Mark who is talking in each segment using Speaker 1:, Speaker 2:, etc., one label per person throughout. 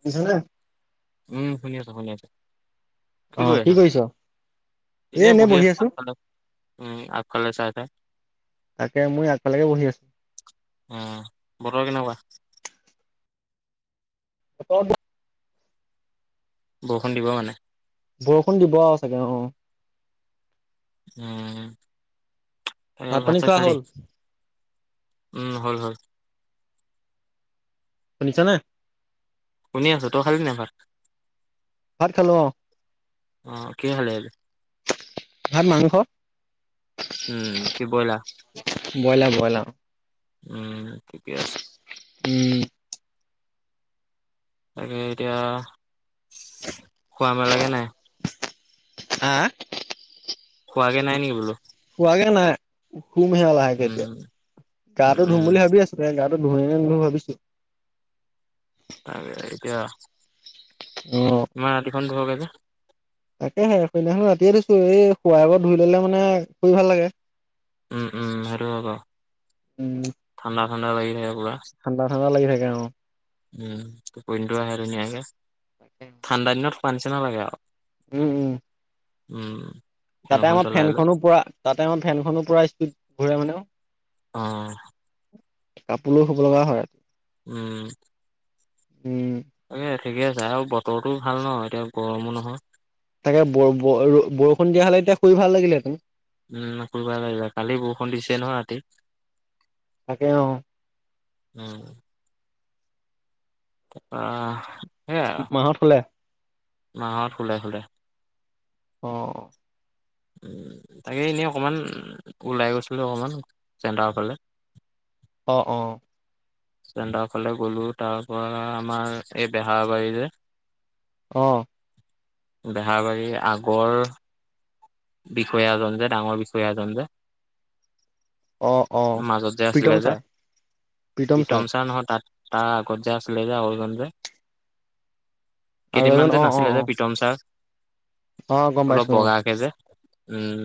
Speaker 1: শুনিছানে?
Speaker 2: উম, শুনি আছোঁ, শুনি আছোঁ।
Speaker 1: অ' কি কৰিছোঁ?
Speaker 2: এনেই বহি আছো আগফালে উম, আগফালে চাই-চাই।
Speaker 1: তাকে মই আগফালেকে বহি আছো
Speaker 2: উম বতৰ কেনেকুৱা
Speaker 1: বতৰটো
Speaker 2: বৰষুণ দিব মানে
Speaker 1: বৰষুণ দিব আৰু চাগে অ অ
Speaker 2: উম ভাত
Speaker 1: পানী
Speaker 2: চাত
Speaker 1: খোৱা
Speaker 2: খালি
Speaker 1: হ'ল
Speaker 2: উম, হল হল
Speaker 1: শুনিছা নে?
Speaker 2: শুনি আছো, তই খালি নে ভাত
Speaker 1: ভাত খালো অ
Speaker 2: অ কিহে খালি আজি
Speaker 1: ভাত মাংস
Speaker 2: উম কি বইলাৰ
Speaker 1: বইলা-বইলা
Speaker 2: উম ঠিকেই আছ
Speaker 1: উম
Speaker 2: তাকে এতিয়া শুৱা মেলাগে নাই
Speaker 1: হা-হা
Speaker 2: শুৱাগে নাই নেকি বোলো
Speaker 1: নাই শুমহে আ লাহেকে এতিয়া
Speaker 2: উম, উম,
Speaker 1: গাতো ধুম
Speaker 2: উম,
Speaker 1: বুলি ভাবি আছো গা [unintelligible] ভাবিছো
Speaker 2: আৰে আৰে এতিয়া
Speaker 1: অ'
Speaker 2: ইমান ৰাতিখন পোহৰকে যে
Speaker 1: তাকে হে সেদিনাখন ৰাতিয়ে দিছো এই শুৱা আগত ধুই ললে মানে শুই ভাল লাগে
Speaker 2: উম উম হেতু হয় বাও
Speaker 1: উম
Speaker 2: ঠাণ্ডা ঠাণ্ডালাগি থাকে
Speaker 1: ঠাণ্ডা ঠাণ্ডা লাগি থাকে অ
Speaker 2: উম টোপনীটো আহে ধুনীয়াকে ঠাণ্ডা দিনত শুৱা নিচিনা লাগে আও
Speaker 1: উম-উম
Speaker 2: উম
Speaker 1: তাতে
Speaker 2: ফেনখন
Speaker 1: আমাৰ
Speaker 2: চলাই লৈ।
Speaker 1: ফেনখনো পুৰা তাতে আমাৰ ফেনখনো পুৰা স্পীড ঘূৰে মানেও।
Speaker 2: অ',
Speaker 1: কাপোৰো শুব লগা হয়।
Speaker 2: উম
Speaker 1: উম
Speaker 2: এই ঠিকে আছে আৰু বতৰটো ভাল ন' এতিয়া গৰমো নহয়।
Speaker 1: তাকে ব-ব-বৰ-বৰষুণ দিয়া হ'লে এতিয়া শুই ভাল লাগিলেতেন।
Speaker 2: উম, শুই ভাল লাগিল হয় কালি বৰষুণ দিছে নহয় ৰাতি।
Speaker 1: তাকে অ
Speaker 2: উম, [unintelligible]
Speaker 1: মাহত শুলে?
Speaker 2: মাহত শুলে শুলে।
Speaker 1: অ',
Speaker 2: তাকে এনেই অকমান, ওলাই গৈছিলোঁ অকমান, চেণ্টাৰৰ ফালে।
Speaker 1: অ', অ'।
Speaker 2: [unintelligible] ফালে গ'লো তাপা আমাৰ এই বেহাবাৰীৰে।
Speaker 1: অ'।
Speaker 2: বেহাৰবাৰীৰ আগৰ বিষয়াজন যে ডাঙৰ বিষয়া এজন যে
Speaker 1: অ অ
Speaker 2: মাজত যে
Speaker 1: প্ৰীতম
Speaker 2: আছিলে যে
Speaker 1: ছাৰ
Speaker 2: প্ৰীতম ছাৰ নহয় তাত তাৰ আগত যে আছিলে যে [unintelligible]
Speaker 1: আৰু এজন
Speaker 2: কেইদিনমান
Speaker 1: অ
Speaker 2: যে
Speaker 1: অ
Speaker 2: নাছিলে
Speaker 1: অ
Speaker 2: যে পিটম ছাৰ
Speaker 1: অ গম
Speaker 2: অলপ
Speaker 1: পাইছো
Speaker 2: বগাকে যে উম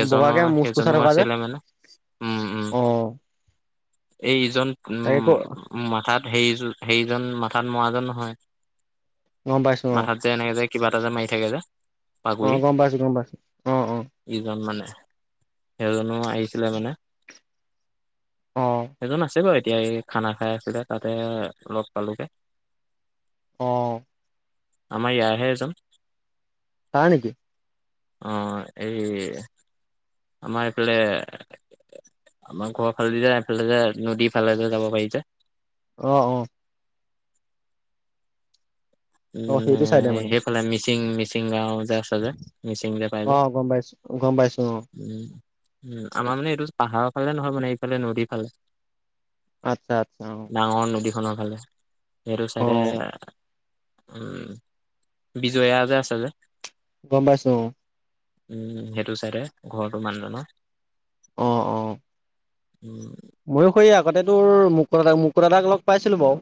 Speaker 1: অ বগাকে মুচ কোচা
Speaker 2: সেইজনো
Speaker 1: থকা যে
Speaker 2: আছিলে মানে উম উম
Speaker 1: অ
Speaker 2: এই ইজন
Speaker 1: তাকে ক
Speaker 2: উম মাথাত [unintelligible] সেইজন মাথাত মৰাজন নহয়
Speaker 1: গম পাইছো অ
Speaker 2: মাথাত যে এনেকে [unintelligible] কিবা এটা যে মাৰি থাকে যে
Speaker 1: অ
Speaker 2: পাগুৰি
Speaker 1: গম পাইছো গম পাইছো অ অ
Speaker 2: ইজন মানে সেইজনো আহিছিলে মানে
Speaker 1: অ
Speaker 2: এজন আছে বাৰু এই খানা খাই আছিলে তাতে লগ পালোগৈ
Speaker 1: আহ
Speaker 2: আমাৰ ইয়াৰহে এজন
Speaker 1: তাৰ নেকি
Speaker 2: আহ এই আমাৰ এইফালে আমাৰ ঘৰ ফালেদি সেইফালে যে নদীৰ ফালে যে যাব পাৰিছে
Speaker 1: আহ অ' অ সেইটো চাইডে
Speaker 2: উম
Speaker 1: মানে
Speaker 2: সেইফালে মিচিং মিচিং গাও আ [unintelligible] মিচিং যে
Speaker 1: অ
Speaker 2: পাইজে
Speaker 1: গম পাইছো গম পাইছো অ
Speaker 2: উম উম আমাৰ মানে এইটো পাহাৰৰ ফালে নহয় মানে এইফালে নদীৰ ফালে
Speaker 1: আচ্ছা আচ্ছা অ
Speaker 2: [unintelligible] ফালে সেইটো
Speaker 1: অ
Speaker 2: চাইডে উম বিজয়া যে আছে যে
Speaker 1: গম পাইছো অ
Speaker 2: উম সেইটো চাইডে ঘৰটো মানুহজনৰ
Speaker 1: অ অ
Speaker 2: উম
Speaker 1: ময়ো সেই আগতে তোৰ মুকুতাদাক মুকুতাদাক লগ পাইছিলো বাৰু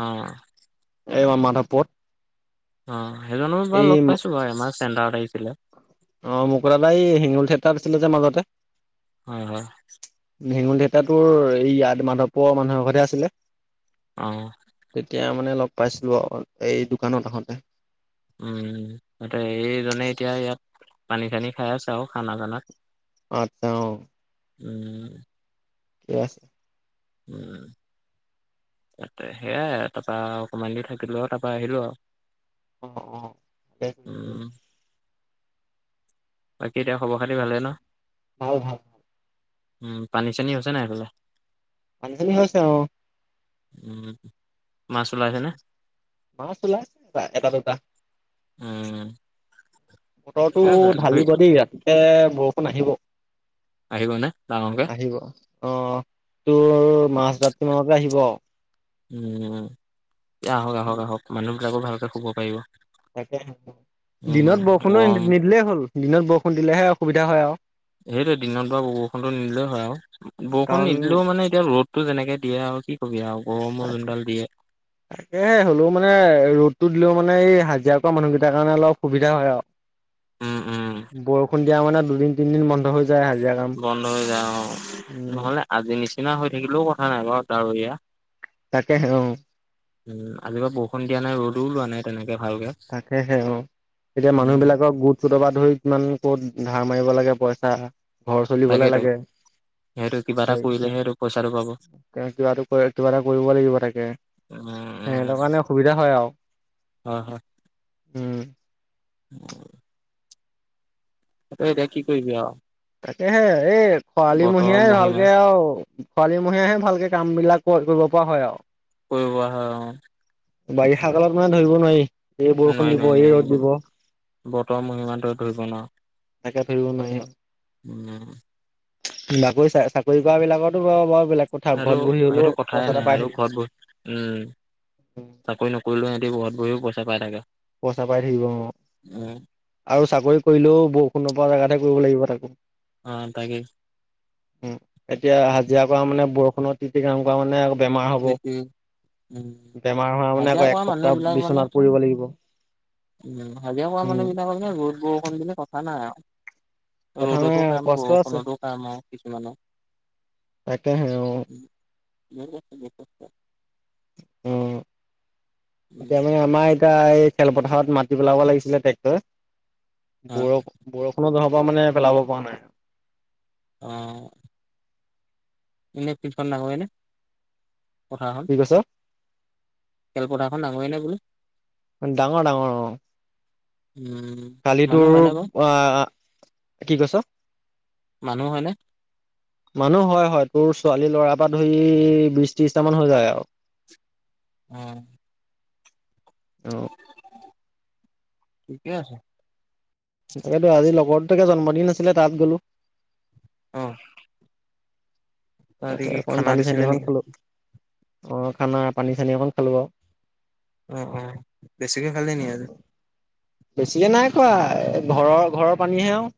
Speaker 2: আহ
Speaker 1: [unintelligible] মাধৱ পথ
Speaker 2: অ সেইজনৰো বা লগ পাইছো বাৰু আমাৰ চেণ্টাৰত আহিছিলে
Speaker 1: অ মুকুতাদাই হেঙুল থিয়েটাৰত আছিলে যে মাজতে
Speaker 2: হয় হয়
Speaker 1: হেঙুল থিয়েটাৰ তোৰ এই ইয়াত মাধৱপুৰৰ মানুহৰ [unintelligible] আছিলে
Speaker 2: আহ।
Speaker 1: তেতিয়া মানে লগ পাইছিলো অ এই দোকানত আহোতে
Speaker 2: উম তাতে এইজনে এতিয়া ইয়াত পানী চানী খাই আছে আৰু খানা দানাত
Speaker 1: আছা অ
Speaker 2: উম।
Speaker 1: থিক আছে
Speaker 2: উম ত সেইয়াই তাৰপৰা অকমান দি থাকিলো আৰু তাৰপৰা আহিলো আৰু
Speaker 1: অ অ
Speaker 2: উম বাকী এতিয়া খবৰ খাতি ভালে ন?
Speaker 1: [unintelligible]
Speaker 2: উম, পানী চানী হৈছে নে সেইফালে।
Speaker 1: [unintelligible] হৈছে অ'।
Speaker 2: উম। মাছ ওলাইছেনে,
Speaker 1: মাছ ওলাইছে এটা দুটা
Speaker 2: উম,
Speaker 1: বতৰটো
Speaker 2: ঠিকে আছে ধুই
Speaker 1: ঢালিব দেই, ৰাতিকে বৰষুণ আহিব।
Speaker 2: আহিবনে, ডাঙৰকে?
Speaker 1: আহিব অ', তোৰ মাজৰাতি মানকে আহিব আৰু।
Speaker 2: উম, আহক আহক আহক মানুহবিলাকো ভালকে শুব পাৰিব।
Speaker 1: তাকে, দিনত
Speaker 2: উম
Speaker 1: বৰষুণো
Speaker 2: গৰম
Speaker 1: নিদিলেই হ'ল দিনত বৰষুণ দিলেহে অসুবিধা হয় আউ।
Speaker 2: সেইটোৱে দিনত বা বৰষুণটো নিদিলে হয় আউ, বৰষুণ
Speaker 1: কাৰণ
Speaker 2: নিদিলেও মানে এতিয়া ৰ'দ টো যেনেকে দিয়ে আৰু কি কবি আউ।
Speaker 1: তাকে হলেও মানে ৰ'দ টো দিলও মানে এই হাজিৰা কৰা মানুহকেইটাৰ কাৰণে অলপ সুবিধা হয় আউ,
Speaker 2: উম উম
Speaker 1: বৰষুণ তেতিয়া মানে দুদিন তিনদিন বন্ধ হৈ যায় হাজিৰা কাম
Speaker 2: বন্ধ হৈ যায় অ,
Speaker 1: উম
Speaker 2: নহ'লে আজিৰ নিচিনা হৈ থাকিলেও কথ নাই, নাই, [unintelligible] ডাৱৰীয়া।
Speaker 1: তাকেহে অ'।
Speaker 2: উম, আজিৰ বাৰু বৰষুণ দিয়া নাই, ৰ'দোও ওলোৱা নাই তেনেক
Speaker 1: তাকেহে, অ' এতিয়া মানুহ
Speaker 2: উম
Speaker 1: বিলাকৰ গোট ছোটৰ পৰা ধৰি কিমান ক'ত ধাৰ মাৰিব লাগে, পইচা ঘৰ চলিবলে
Speaker 2: তাকেইতো
Speaker 1: লাগে।
Speaker 2: সেইটো কিবা এটা
Speaker 1: হয়,
Speaker 2: কৰিলেহে সেইটো পইচাটো পাব
Speaker 1: তেওঁ কিবাটো কিবা এটা কৰিব লাগিব তাকে।
Speaker 2: উম উম
Speaker 1: সেতৰ কাৰণে অসুবিধা হয় আৰু।
Speaker 2: হয় হয়।
Speaker 1: উম
Speaker 2: [unintelligible] তাকে এতিয়া কি কৰিবি আৰু।
Speaker 1: তাকেহে, এই খৰালি
Speaker 2: বতৰৰ
Speaker 1: মহীয়াই
Speaker 2: মহিমা
Speaker 1: ভালকে আৰু। খৰালি মহীয়াহে ভালকে কামবিলাক কৰিব পৰা হয় আও।
Speaker 2: কৰিব পৰা হয় অ'।
Speaker 1: বাৰিষা কালত মানে ধৰিব নোৱাৰি। এই বৰষুণ
Speaker 2: নোৱাৰি,
Speaker 1: দিব
Speaker 2: নোৱাৰি,
Speaker 1: এই
Speaker 2: নোৱাৰি,
Speaker 1: ৰ'দ দিব
Speaker 2: ব-বতৰৰ মহিমা তই ধৰিব নোৱাৰ।
Speaker 1: তাকে, ধৰিব
Speaker 2: উম,
Speaker 1: নোৱাৰি। বাকৰি চাকৰি কৰা বিলাকৰতো বাৰু বৰ
Speaker 2: আৰু সেইটো কথাই নাই, আৰু
Speaker 1: থাকে
Speaker 2: ঘৰত বহ উম। চাকৰি নকৰিলেও সিহঁতি ঘৰত বহিও পইচা পাই থাকে।
Speaker 1: পইচা পাই থাকিব অ',
Speaker 2: উম।
Speaker 1: আৰু চাকৰি কৰিলেও বৰষুণ নপৰা জেগাতে [unintelligible]
Speaker 2: অ', তাকেই।
Speaker 1: এতিয়া হাজিৰা কৰা মানে, ব ষুণত তিতি কাম কৰা মানে বেমাৰ হ'ব,
Speaker 2: সেইটোৱে উম।
Speaker 1: বেমাৰ হোৱা মানে
Speaker 2: হাজিৰা
Speaker 1: আকৌ
Speaker 2: কৰা মানুহ
Speaker 1: এসপ্তাহ
Speaker 2: বিলাক মানে
Speaker 1: বিচনাত পৰিব লাগিব।
Speaker 2: উম, হাজিৰা কৰা
Speaker 1: উম
Speaker 2: মানুহ বিলাক ৰ'দ-বৰষুণ বুলি কথা নাই আও।
Speaker 1: কথা নাই
Speaker 2: ৰ'দতো
Speaker 1: আৰু
Speaker 2: কাম
Speaker 1: কষ্ট আছে
Speaker 2: বৰষুণতো কাম আও কিছুমানৰ।
Speaker 1: তাকেহে অ'।
Speaker 2: [unintelligible]
Speaker 1: অ', এতিয়া মানে আমাৰ এতিয়া খেলপথাৰত মাটি পেলাব লাগিছিলে টেক্টৰে।
Speaker 2: হয়
Speaker 1: বৰ-বৰষুণত ধৰ, মই মানে পেলাব পৱা নাই
Speaker 2: অহ [unintelligible] পথাৰখন?
Speaker 1: কি কৈছ?
Speaker 2: খেলপথাৰখন ডাঙৰে নে বোলো
Speaker 1: ডাঙৰ ডাঙৰ।
Speaker 2: উম,
Speaker 1: কালি
Speaker 2: মানুহ
Speaker 1: তোৰ,
Speaker 2: হয়নে বাৰু
Speaker 1: আহ কি কৈছ?
Speaker 2: মানুহ হয়নে?
Speaker 1: মানুহ হয়, হয়, তোৰ ছোৱালী ল'ৰাৰ পা ধৰি বিশ ত্ৰিশটামান হৈ যায় আৰু।
Speaker 2: উম।
Speaker 1: অ',
Speaker 2: ঠিকে আছে।
Speaker 1: তাকেতো আজি লগৰ তাকে জন্মদিন আছিলে তাত গ'লো।
Speaker 2: অ', তহঁতি
Speaker 1: তাতে
Speaker 2: কি
Speaker 1: অকণমান
Speaker 2: খানা
Speaker 1: পানী চানী
Speaker 2: দিছিলে
Speaker 1: অকমান
Speaker 2: নেকি?
Speaker 1: খালোঁ, অ, খানা পানী চানী অকণমান খালোঁ আৰু।
Speaker 2: উম, উম, বেছিকে খালি নেকী?
Speaker 1: বেছিকে নাই খোৱা ঘৰৰ-ঘৰৰ পানীহে আউ।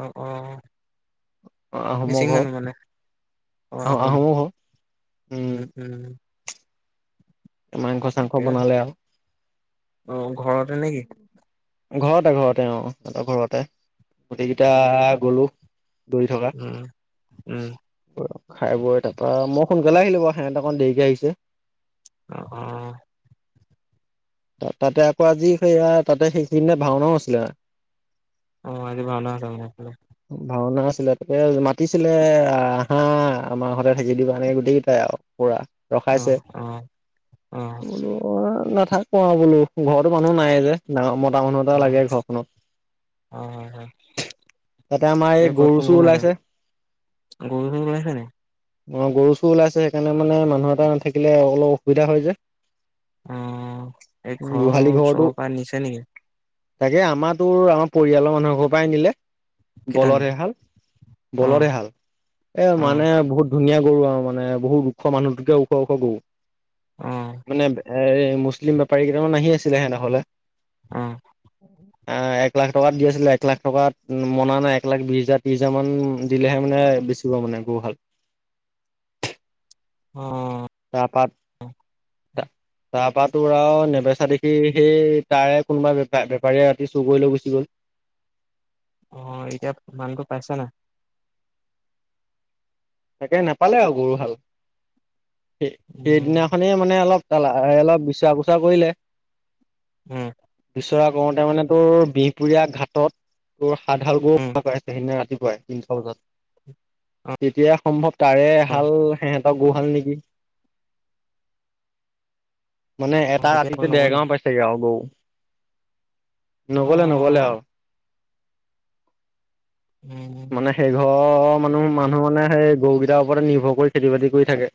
Speaker 2: অ', অ,
Speaker 1: অ আহোমৰ
Speaker 2: মিচিং
Speaker 1: ঘৰ
Speaker 2: মানুহ মানে। অ
Speaker 1: আহ
Speaker 2: হ
Speaker 1: আহোমৰ ঘৰ
Speaker 2: উম, উম।
Speaker 1: মাংস চাংস
Speaker 2: ঠিকে
Speaker 1: বনালে
Speaker 2: আছে আহ ঘৰতে নেকি?
Speaker 1: ঘৰতে-ঘৰতে অ, সিহতৰ ঘৰতে। গোটেই কেইটা গ'লো দৌৰি থকা।
Speaker 2: উম, উম,
Speaker 1: খাই বৈ তাৰপৰা মই সোনকালে আহিলোঁ বাৰু সিহঁতে অকণ দেৰিকে আহিছে।
Speaker 2: অ', অ'।
Speaker 1: তাতে আকৌ আজি সেইয়া তাতে সেইখিনিতে ভাওনাও আছিলে।
Speaker 2: অ', আজি ভাওনা আছে বোলো।
Speaker 1: ছিল তাকে মাতিছিলে অহ, আহা আমাৰ ঘতে থাকি দিবা এনেকে গোটেইকেইটাই আৰু পুৰা। ৰখাইছে
Speaker 2: অ', অ', অ', অ',
Speaker 1: বোলো নাথাকো আৰু বোলো ঘৰতো মান নুহ নাই যে, ডাঙৰ মতা মানুহ এটা লাগে
Speaker 2: অ',
Speaker 1: ঘৰখনত।
Speaker 2: হয়, হয়,
Speaker 1: তাতে আমাৰ এই
Speaker 2: এতিয়া ঘৰত
Speaker 1: গৰু
Speaker 2: কোন
Speaker 1: চুৰ
Speaker 2: কোন আছে?
Speaker 1: ওলাইছে।
Speaker 2: গৰু চুৰ ওলাইছে নি?
Speaker 1: অ', গৰু চুৰ ওলাইছে সেইকাৰণে মানে মানুহ এটা নাথাকিলে অলপ অসুবিধা হয় যে।
Speaker 2: অ', এই ঘৰৰ
Speaker 1: গোহালি ঘৰটো
Speaker 2: ওচৰৰ পৰা নিছে নেকি?
Speaker 1: তাকে আমাৰ তোৰ আমাৰ পৰিয়ালৰ মানুহৰ ঘৰৰ পৰাই নিলে।
Speaker 2: কেইটা
Speaker 1: বলধ
Speaker 2: নিলে?
Speaker 1: এহাল, বলধ
Speaker 2: অ',
Speaker 1: এহাল, এ
Speaker 2: অ',
Speaker 1: মানে বহুত ধুনীয়া গৰু আৰু মানে বহুত ওখ মানুহতোকে ওখ ওখ গৰু,
Speaker 2: অ',
Speaker 1: মানে এ এই মুছলিম বেপাৰী কেইটামান আহি আছিলে হে নহ'লে।
Speaker 2: অহ।
Speaker 1: অ', এক লাখ টকাত দি আছিলে, এক লাখ টকাত মনা নাই এক লাখ বিশ হাজাৰ ত্ৰিশ হাজাৰ মান দিলেহে মানে বেচিব মানে গৰু হাল।
Speaker 2: [inaudible] অ',
Speaker 1: চাহপাত, চাহপাত তোৰাও নেবেচা দেখি সেই তাৰে কোনোবা বেপ-বেপাৰীয়ে ৰাতি চুৰ কৰি লৈ গুচি গ'ল।
Speaker 2: অহ, এতিয়া মানুহটো পাইছা নাই?
Speaker 1: তাকে নাপালে আৰু গৰু হাল,
Speaker 2: উম,
Speaker 1: সেই-সেইদিনাখনে মানে অলপ তালা এ অলপ বিচাৰ পোচাৰ কৰিলে।
Speaker 2: উম।
Speaker 1: চৰা কৰোঁতে মানে তোৰ বিহপুৰীয়া ঘাটত তোৰ সাতহাল গৰু
Speaker 2: উম,
Speaker 1: [unintelligible] সেইদিনা ৰাতিপ [unintelligible] তিনিটা বজাত
Speaker 2: অ',
Speaker 1: তেতিয়া সম্ভৱ তাৰে এহাল সেহ ত গৰুহাল নেকি? মানে
Speaker 2: অ',
Speaker 1: এটা
Speaker 2: এতিয়া ফোন
Speaker 1: ৰাতিতে
Speaker 2: নকৰে নেকি?
Speaker 1: দেৰগাঁৱও পাইছেগে আৰু গৰু। নগ'লে, নগ'লে
Speaker 2: অ'।
Speaker 1: আৰু।
Speaker 2: উম।
Speaker 1: অ', অ', মানুহ, মানুহ মানে সেই গৰুকেইটাৰ ওপৰতে নিৰ্ভৰ কৰি খেতি বাতি কৰি থাকে।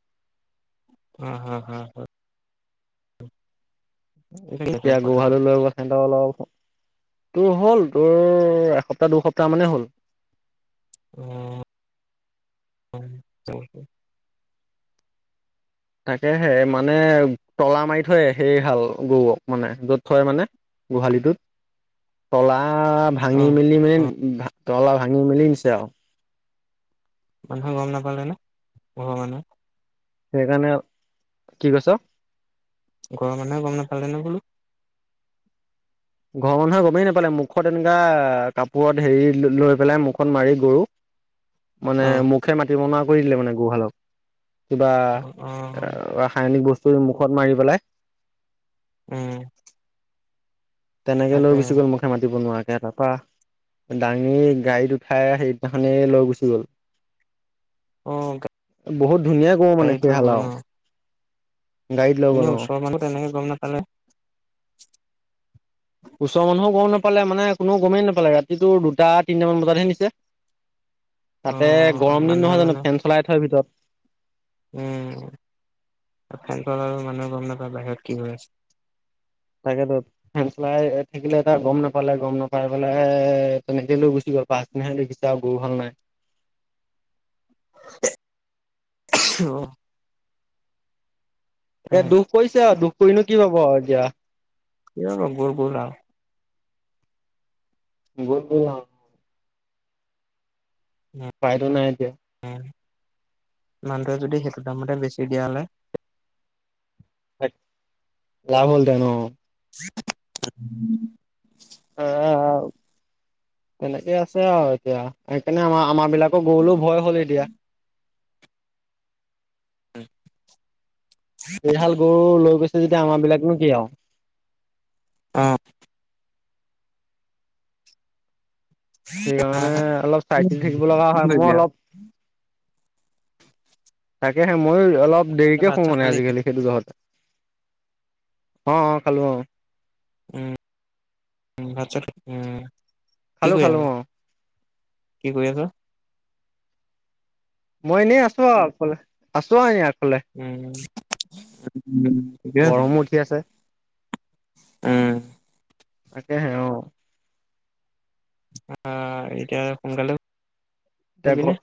Speaker 2: অ', অ', অ', অ'। এইটো সেইটো
Speaker 1: এতিয়া
Speaker 2: কথাটো
Speaker 1: গোহালো লৈ গৈছিলো অলপ তোৰ হ'ল তোৰ এসপ্তাহ দুসপ্তাহ মানে হ'ল।
Speaker 2: উম, [unintelligible]
Speaker 1: তাকে হে মানে তলা মাৰি থয় সেই হাল গৰুক মানে য'ত থয় মানে গোহাঁলিটোত তলা। আহ, ভাঙি
Speaker 2: অ'।
Speaker 1: মেলি মানে
Speaker 2: অ',
Speaker 1: ভা তলা ভাঙি মেলি নিছে আৰু।
Speaker 2: মানুহে গম নাপালে নে ঘৰৰ মানুহে।
Speaker 1: সেইকাৰণে কি কৈছ।
Speaker 2: ঘৰৰ মানুহে গম নেপালে নে বোলো।
Speaker 1: ঘৰৰ মানুহে গমেই নোপালে মুখত এনেকা কাপোৰত হেৰি লৈ পেলাই মুখত মাৰি গৰু মানে
Speaker 2: অ'।
Speaker 1: মুখে মাতিব নোৱাৰা কৰি দিলে মানে গৰু হালক কিবা এ
Speaker 2: অ',
Speaker 1: ৰাসায়নিক বস্তু মুখত মাৰি পেলাই।
Speaker 2: উম,
Speaker 1: তেনেকে লৈ
Speaker 2: তাকে
Speaker 1: গুচি গ'ল মুখে মাতিব নোৱাৰাকে তাৰপৰা দাঙি গাড়ীত উঠাই সেইদিনাখনেই লৈ গুচি গ'ল।
Speaker 2: অ',
Speaker 1: বহুত ধুনীয়া গৰু মানে
Speaker 2: গাড়ীত
Speaker 1: সেই
Speaker 2: লৈ
Speaker 1: হাল
Speaker 2: গ'ল
Speaker 1: আৰু।
Speaker 2: ন'
Speaker 1: গাড়ীত লৈ গ'ল
Speaker 2: এনেই
Speaker 1: অ
Speaker 2: ওচৰৰ মানুহ তেনেকে গম নাপালে।
Speaker 1: ওচৰৰ মানুহো গম নাপালে মানে কোনেও গমেই নাপালে ৰাতি তোৰ দুটা তিনিটা মান বজাতহে নিছে।
Speaker 2: [inaudible]
Speaker 1: তাতে
Speaker 2: অ',
Speaker 1: গৰম দিন
Speaker 2: মানুহে
Speaker 1: নহয় জানো
Speaker 2: মানে
Speaker 1: ফেন চলাই থয় ভিতৰত
Speaker 2: উম, ফেন চলালে মানুহে গম নাপায় বাহিৰত কি হৈ আছে।
Speaker 1: তাকেতো ফেন চলাই থাকিলে তাৰ গম নাপালে গম নাপাই পেলাই তেনেকে লৈ গুছি পাছদিনাহে দেখিছে আৰু গৰু হাল নাই।
Speaker 2: [unintelligible]
Speaker 1: এ
Speaker 2: সেয়াই
Speaker 1: দুখ কৰিছে আৰু দুখ কৰিনো কি পাব আৰু এতিয়া।
Speaker 2: কি আৰু গ'ল - গ'ল আৰ
Speaker 1: গ'ল - গ'ল আৰু। উপায়টো নাই এতিয়া।
Speaker 2: মানুহটোৱে যদি সেইটো দামতে বেছি দিয়া হ'লে।
Speaker 1: লাভ হলহেতেন অ,
Speaker 2: [inaudible] [inaudible]
Speaker 1: তেনেকেই আছে আৰু এতিয়া সেইকাৰণে আমাৰ আমাৰ বিলাকক গৰুলৈও ভয় হ'ল এতিয়া।
Speaker 2: [inaudible]
Speaker 1: এইহাল গৰু লৈ গৈছে যেতিয়া আমাৰ বিলাকনো কি আৰু
Speaker 2: অ',
Speaker 1: সেইকাৰণে অলপ চাই চিতি থাকিব লগা
Speaker 2: কি
Speaker 1: হয় মোৰ
Speaker 2: কৰিবি
Speaker 1: অলপ তাকেহে মইয়ো। অলপ
Speaker 2: আৰু
Speaker 1: দেৰিকে
Speaker 2: ভাত
Speaker 1: শুও
Speaker 2: চাত
Speaker 1: মানে
Speaker 2: খালি?
Speaker 1: আজিকালি সেইটো জহতে অ - অ খালো অ,
Speaker 2: উম - উম ভাত চাত উম, কি
Speaker 1: খালো -
Speaker 2: কৰি
Speaker 1: খালো
Speaker 2: আছ
Speaker 1: অ,
Speaker 2: কি কৰি আছোঁ।
Speaker 1: মই এনেই আছো আৰু আগফালে আছো আৰু ইয়াত।
Speaker 2: উম, উম, ঠিকে আছে
Speaker 1: গৰমো উঠি আছে
Speaker 2: উ।
Speaker 1: তাকে হে অ,
Speaker 2: আহ, এতিয়া সোনকালে
Speaker 1: দে
Speaker 2: শুবি
Speaker 1: ঘ
Speaker 2: নে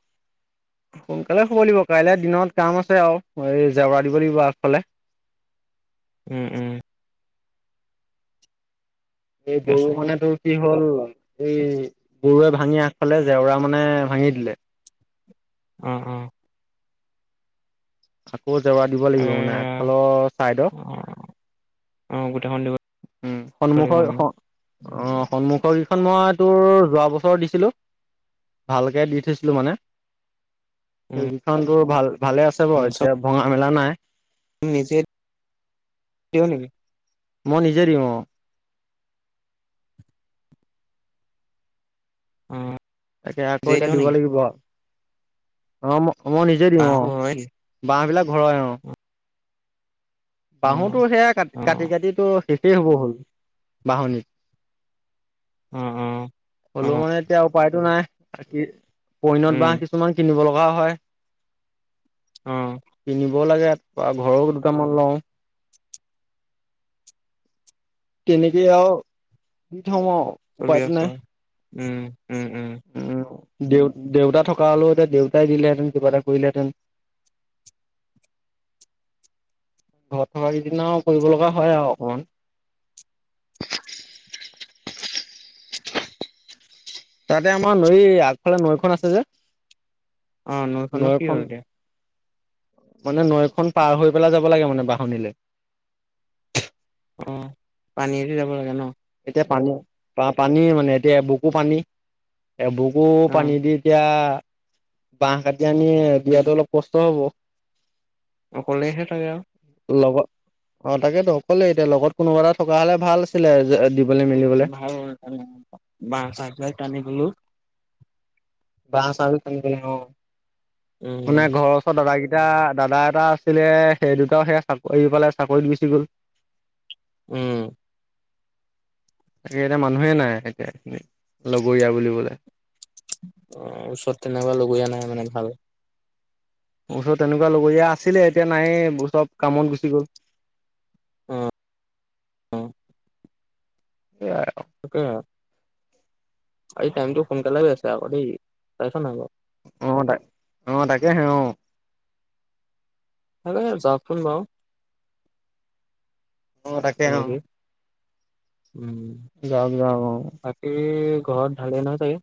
Speaker 1: সোনকালে শুব দিব কাইলে দিনত কাম আছে আৰু এই জেওৰা দিব লাগিব আগফালে
Speaker 2: উম - উম।
Speaker 1: এই
Speaker 2: ঠিক
Speaker 1: গৰু
Speaker 2: আছে
Speaker 1: মানে তো কি হ হ'ল এই গৰুৱে ভাঙি আগফালে জেওৰা মানে ভাঙি দিলে।
Speaker 2: অ'- অ'।
Speaker 1: বহুত জেওৰা দিব লাগিব মানে
Speaker 2: এয়া
Speaker 1: আগফালৰ চাইডৰ।
Speaker 2: অ অ'। গোটেইখন দিব
Speaker 1: উম,
Speaker 2: লাগিব
Speaker 1: সন্মুখৰ
Speaker 2: মানে
Speaker 1: অ'
Speaker 2: উম
Speaker 1: সন্মুখৰ খন মই তোৰ যোৱা বছৰ দিছিলোঁ ভালকে দি থৈছিলো মানে সেই কেইখন টো ভাল ভালে আছে
Speaker 2: উম
Speaker 1: বাৰু
Speaker 2: চব
Speaker 1: এতিয়া ভঙা মেলা নাই।
Speaker 2: নিজে [unintelligible] নিবি।
Speaker 1: মই নিজে দিও অ'।
Speaker 2: অ'।
Speaker 1: তাকে আকৌ
Speaker 2: নিজে
Speaker 1: এতিয়া
Speaker 2: দিয়
Speaker 1: দিব
Speaker 2: নেকি
Speaker 1: লাগিব। অ' মই নিজে দিও
Speaker 2: বাহবোৰ
Speaker 1: অ'
Speaker 2: হয় নেকি
Speaker 1: বাহ বিলাক ঘৰৰে অ'। বাহুতো
Speaker 2: অ
Speaker 1: সেইয়া কাট কাটি কাটিতো ঠিকেই হ'ব হ'ল বাহনিত।
Speaker 2: অ অ অ
Speaker 1: হ'লেও মানে এতিয়া উপায়তো নাই পৈনত বা
Speaker 2: উম
Speaker 1: কিছুমান কিনিব খোৱা হয়
Speaker 2: অ
Speaker 1: কিনিব লাগে বা ঘৰৰো দুটামান লওঁ। কেনেকে আও দি থও অ
Speaker 2: চলি আছ উম উম উম
Speaker 1: দেউ দেউতা থকা হ'লেও দেউতাই দিলেহেঁতেন কিবা এটা কৰিলেহেতেন।
Speaker 2: [inaudible]
Speaker 1: ঘৰত থকা কেইদিনা আও কৰিব লগা হয় আও অকমান তাতে আমাৰ নৈ আগফালে নৈখন আছে যে।
Speaker 2: অ' নৈখনো কি
Speaker 1: নৈখন
Speaker 2: হ'ল এতিয়া।
Speaker 1: মানে নৈখন পাৰ হৈ পেলাই যাব লাগে মানে বাহনিলে।
Speaker 2: অ পানীয়েদি যাব লাগে ন
Speaker 1: এয়া পানী- পানী মানে এতিয়া এবুকু পানী। এবুকো
Speaker 2: অ
Speaker 1: পানী দি এতিয়া বাঁহ কাটি আনি দিয়াটো অলপ কষ্ট হ'ব।
Speaker 2: অকলেহে ছাগে আও।
Speaker 1: লগত অ' তাকেতো অকলে এতিয়া লগত কোনোবা এটা থকা হ'লে ভাল আছিলে। দিবলৈ মেলিবলৈ
Speaker 2: ভাল, [unintelligible] চাহ টানি গলো।
Speaker 1: বাঁহ চাহ [unintelligible] অ
Speaker 2: উম,
Speaker 1: মানে ঘৰৰ ওচৰত দাদা কেইট এতিয়া দাদা এটা আছিলে, সেই দুটাও সেয়া চাকৰি পালে চাকৰিত গুচি গ'ল।
Speaker 2: উম।
Speaker 1: তাকে এতিয়া মানুহে নাই এতিয়া লগৰীয়া বুলিবলে।
Speaker 2: অ' ওচৰত তেনেকুৱা লগৰীয়া নাই মানে ভাল।
Speaker 1: ওচৰত তেনেকুৱা লগৰীয়া আছিলে এতিয়া নাইয়ে চব কামত গুচি গ'ল।
Speaker 2: অ'। অ',
Speaker 1: [unintelligible]
Speaker 2: তাকে আজি টাইমটো সোনকালে গৈছে আকৌ দেই চাইছ ন আকৌ।
Speaker 1: অ' তাক অ' তাকেহে অ'।
Speaker 2: [unintelligible] যাওকচোন বাও।
Speaker 1: অ' তাকে অ'।
Speaker 2: উম,
Speaker 1: যাওক যাওক অ
Speaker 2: বাকী ঘৰত ভালে নহয় চাগে।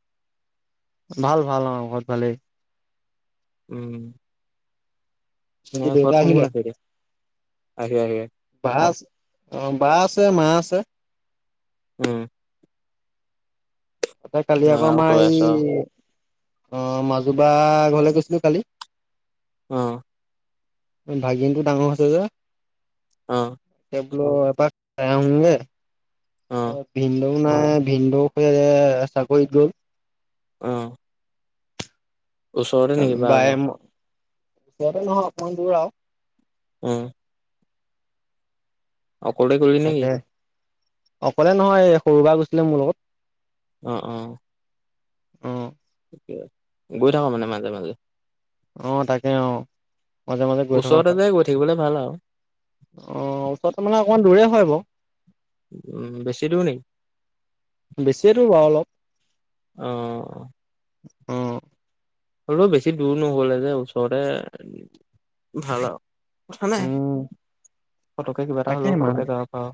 Speaker 1: ভাল ভাল অ ঘৰত ভালেই
Speaker 2: উম
Speaker 1: বাকী
Speaker 2: তোমাৰ
Speaker 1: দেউতা
Speaker 2: ঘৰত
Speaker 1: আহিলে?
Speaker 2: কোন-কোন আছে এতিয়া [unintelligible]
Speaker 1: বা আছ অ' বা আছে মা আছে।
Speaker 2: উম।
Speaker 1: তাতে কালি আকৌ
Speaker 2: আৰু তই
Speaker 1: আমাৰ এই
Speaker 2: আছ
Speaker 1: অ', মাজুবা ঘৰলে গৈছিলে কালি।
Speaker 2: অ',
Speaker 1: ভাগিনটো ডাঙৰ হৈছে যে
Speaker 2: অ', অ',
Speaker 1: [unintelligible] [unintelligible]
Speaker 2: অ', ওচৰতে নেকি বাৰ ঘৰ?
Speaker 1: ইয়াতে নহয় অকমান দূৰ আৰু।
Speaker 2: উম। অকলে কৰিলি নেকি?
Speaker 1: তাকে অকলে নহয় সৰুবাৰ গৈছিলে মোৰ লগত।
Speaker 2: অ, অ,
Speaker 1: অহ।
Speaker 2: গৈ থাকো মানে মাজে মাজে
Speaker 1: অহ তাকে অ। মাজে মাজে গৈ থকা
Speaker 2: ওচৰতে
Speaker 1: হয়
Speaker 2: যে গৈ থাকিবলৈ ভাল আৰু
Speaker 1: অহ ওচৰতে মানে অকণমান দূৰে হয় বাৰু-
Speaker 2: উম, বেছি দূৰ নেকি?
Speaker 1: বেছিয়ে বাৰু অলপ
Speaker 2: অহ।
Speaker 1: অহ।
Speaker 2: হলেও বেছি দূৰ নহলে যে ওচৰৰে ভাল আৰু হয় নে?
Speaker 1: উম
Speaker 2: কিবা এটা
Speaker 1: তাকেহে
Speaker 2: হলেও
Speaker 1: মানুহ
Speaker 2: ফটকে যাব পাওঁ।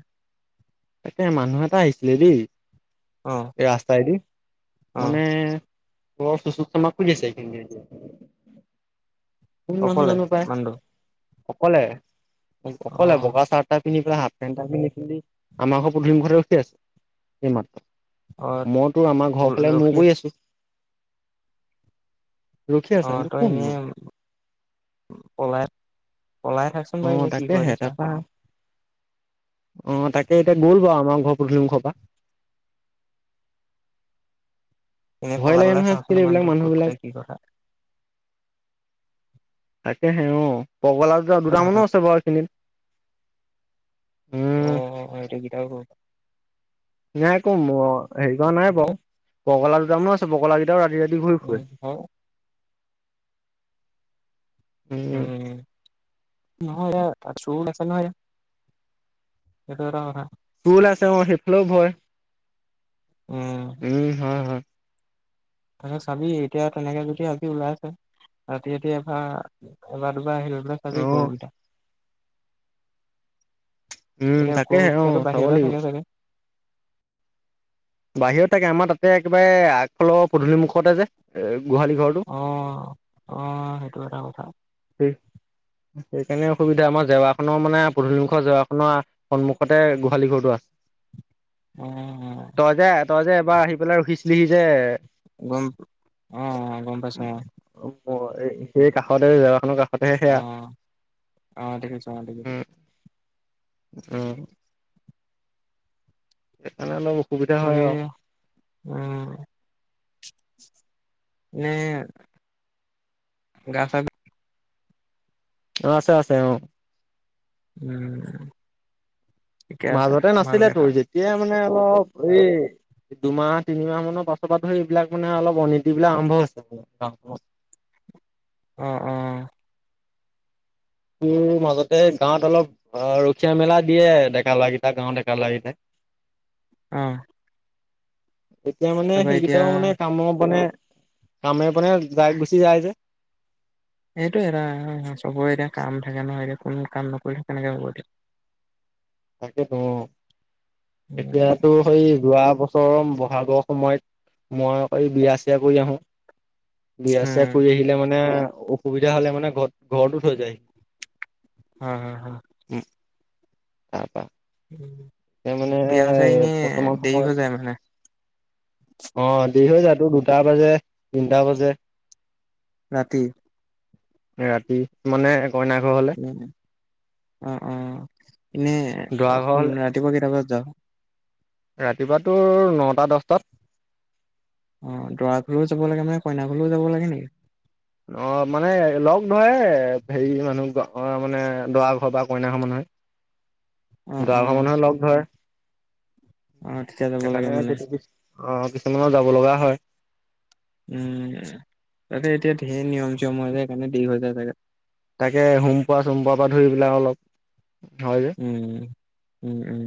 Speaker 1: তাকে মানুহ এটা আহিছিলে দেই
Speaker 2: অ',
Speaker 1: এই ৰাস্তাইদি
Speaker 2: অ',
Speaker 1: মানে [unintelligible] কোন মানুহ
Speaker 2: অকলে
Speaker 1: জানো পাই
Speaker 2: মানুহটো
Speaker 1: অকলে অকলে
Speaker 2: অ',
Speaker 1: বগা চাহ তা পিন্ধি পেলাই হাফ পেণ্ট এটা পিন্ধি পেলি আমাৰ ঘৰৰ পধূলি মূখোট ৰখি আছে এইমাত্ৰ
Speaker 2: অ',
Speaker 1: মইতো আমাৰ ঘৰৰ ফালে মূৰ
Speaker 2: ৰখি
Speaker 1: কৰি আছোঁ। ৰখি
Speaker 2: অ
Speaker 1: আছে বোলো
Speaker 2: ত এনে
Speaker 1: কোননো
Speaker 2: পলাই পলাই থাকচোন বাৰু এনেই কি কৰিনো চাং?
Speaker 1: অহ তাকে এতিয়া গ'ল বাৰু আমাৰ ঘৰ পধূলি মুখোৰ পৰা [inaudible]
Speaker 2: [unintelligible] এনে
Speaker 1: ভয়
Speaker 2: পলাই
Speaker 1: লাগে
Speaker 2: পলাই
Speaker 1: নহয়
Speaker 2: চাচোন
Speaker 1: আজিকালি এইবিলাক
Speaker 2: মানুহটো ক'ত
Speaker 1: মানুহবিলাক।
Speaker 2: গ'ল কি কথা
Speaker 1: [unintelligible] এয়া হে অ পগলা দুটামানো
Speaker 2: হাতত
Speaker 1: আছে বাৰু এইখিনিত। উম
Speaker 2: অহ সেইটো কেইটাও
Speaker 1: নাই আক ম, হেৰি কৰা নাই বাৰু পগলা দুটামান আছে পগলা কেইটাও ৰাতি-ৰাতি
Speaker 2: উম, হু উম, নহয় এইয়া [unintelligible] সেইটো এটা কথা।
Speaker 1: চুল আছে অ, সেইফালেও ভয়
Speaker 2: উম,
Speaker 1: উম, হয়-হয়।
Speaker 2: তাক চাবি এতিয়া তেনেকে যদি আজি ওলাই আছে ৰাতি ৰাতি এবাৰ এবাৰ আহিল
Speaker 1: অ
Speaker 2: চাবেই ক উল্টা
Speaker 1: উম,
Speaker 2: এতিয়া
Speaker 1: তাকেহে অ,
Speaker 2: গৰুকেইটাতো
Speaker 1: চাব
Speaker 2: বাহিৰতে
Speaker 1: লাগিব।
Speaker 2: থাকে চাগে
Speaker 1: বাহিৰত থাকে আমাৰ তাতে একেবাৰে আগফালৰ পদুলি মুখতে যে গোহালি ঘৰটো
Speaker 2: অ অ সেইটো এটা কথা [unintelligible]
Speaker 1: সেই কাৰণে অসুবিধা আমাৰ জেৱাখনৰ মানে পদুলি জেৱাখনৰ সন্মুখতে গোহালি ঘৰটো আছে।
Speaker 2: উম
Speaker 1: তই যে তই যে এবাৰ আহি পেলাই ৰখিছিলিহি যে,
Speaker 2: গম, অহ গম পাইছোয়
Speaker 1: অ সেই কাষতে জেৱৰাখৰ কাষত
Speaker 2: অ'-অ' দেখিছোঁ অ' দেখিছোঁ।
Speaker 1: উম উম সেইকাৰণে অলপ অসুবিধা হয়
Speaker 2: মানে
Speaker 1: আৰু
Speaker 2: উ নে গা ছা
Speaker 1: অ আছে, আছে অ
Speaker 2: উম ঠিকে আছে
Speaker 1: মাজতে নাছিলে
Speaker 2: ভালকে
Speaker 1: তোৰ
Speaker 2: থাক
Speaker 1: যেতিয়াই মানে অলপ এই দুমাহ তিনিমাহ মানৰ পাছৰ পৰা ধৰি এইবিলাক মানে অলপ অনীতি বিলাক আৰম্ভ হৈছে। গাঁও
Speaker 2: অহ অহ
Speaker 1: তোৰ মাজতে গাঁৱত অলপ ৰখীয়া মেলা দিয়ে ডেকা লৰা কেইটা গাঁৱত ডেকা ল'ৰা কেইটাই।
Speaker 2: অহ
Speaker 1: এতিয়া মানে সেইকেইটাও মানে কামৰ মানে। কামে বনে যাই গুচি যায় যে,
Speaker 2: এইটো এটা চবৰে এতিয়া কাম থাকে নহয়। এতিয়া কোন কাম নকৰি থাকে কেনেকে হব এতিয়া উ
Speaker 1: তাকেতো।
Speaker 2: উম
Speaker 1: এতিয়াতো সেই যোৱা বছৰৰ বহাগৰ সময়ত মই এই বিয়া চিয়া কৰি আহোঁ। বিয়া চিয়া
Speaker 2: উম
Speaker 1: কৰি আহিলে মানে অসুবিধা হলে মানে ঘৰত ঘৰতো থৈ যায় আহি।
Speaker 2: হ হ হ
Speaker 1: অ পা
Speaker 2: বিয়া চি এনেই দেৰি হৈ যায় মানে
Speaker 1: আহ দেৰি হৈ যাতো। দুটা বাজে, তিনটা বাজে
Speaker 2: ৰাতি
Speaker 1: ৰাতি মানে, কইনা ঘৰ হলে
Speaker 2: উ অ অ এনে
Speaker 1: দৰা ঘৰ হলে
Speaker 2: ৰাতিপুৱা কেইটা বজাত য
Speaker 1: ৰাতিপুৱা তোৰ নটা দহটাত।
Speaker 2: অ দৰা ঘুলও যাব লাগে মানে কইনা ঘুলও যাব লাগে নেকি
Speaker 1: অ মানে লগ ধৰে হেৰি মানুহ মানে দৰা ঘৰ বা কইনা ঘৰ মানুহে
Speaker 2: উ
Speaker 1: গা ভ্ৰমণহে লগ ধৰে।
Speaker 2: অ', তেতিয়া যাব লাগে
Speaker 1: সেইকাৰণে
Speaker 2: মানে
Speaker 1: কেতিয়া আহ কিছুমানৰ যাব লগা হয়
Speaker 2: উম তাকে এতিয়া ধঢেৰ নিয়ম চিয়ম হৈ যায় সেইকাৰণে দেৰি হৈ যায় চাগে
Speaker 1: তাকে ঘোম পোৱা চোম পোৱাৰ পৰা ধৰিবিলাক অলপ, হয় যে
Speaker 2: উম, উম, উম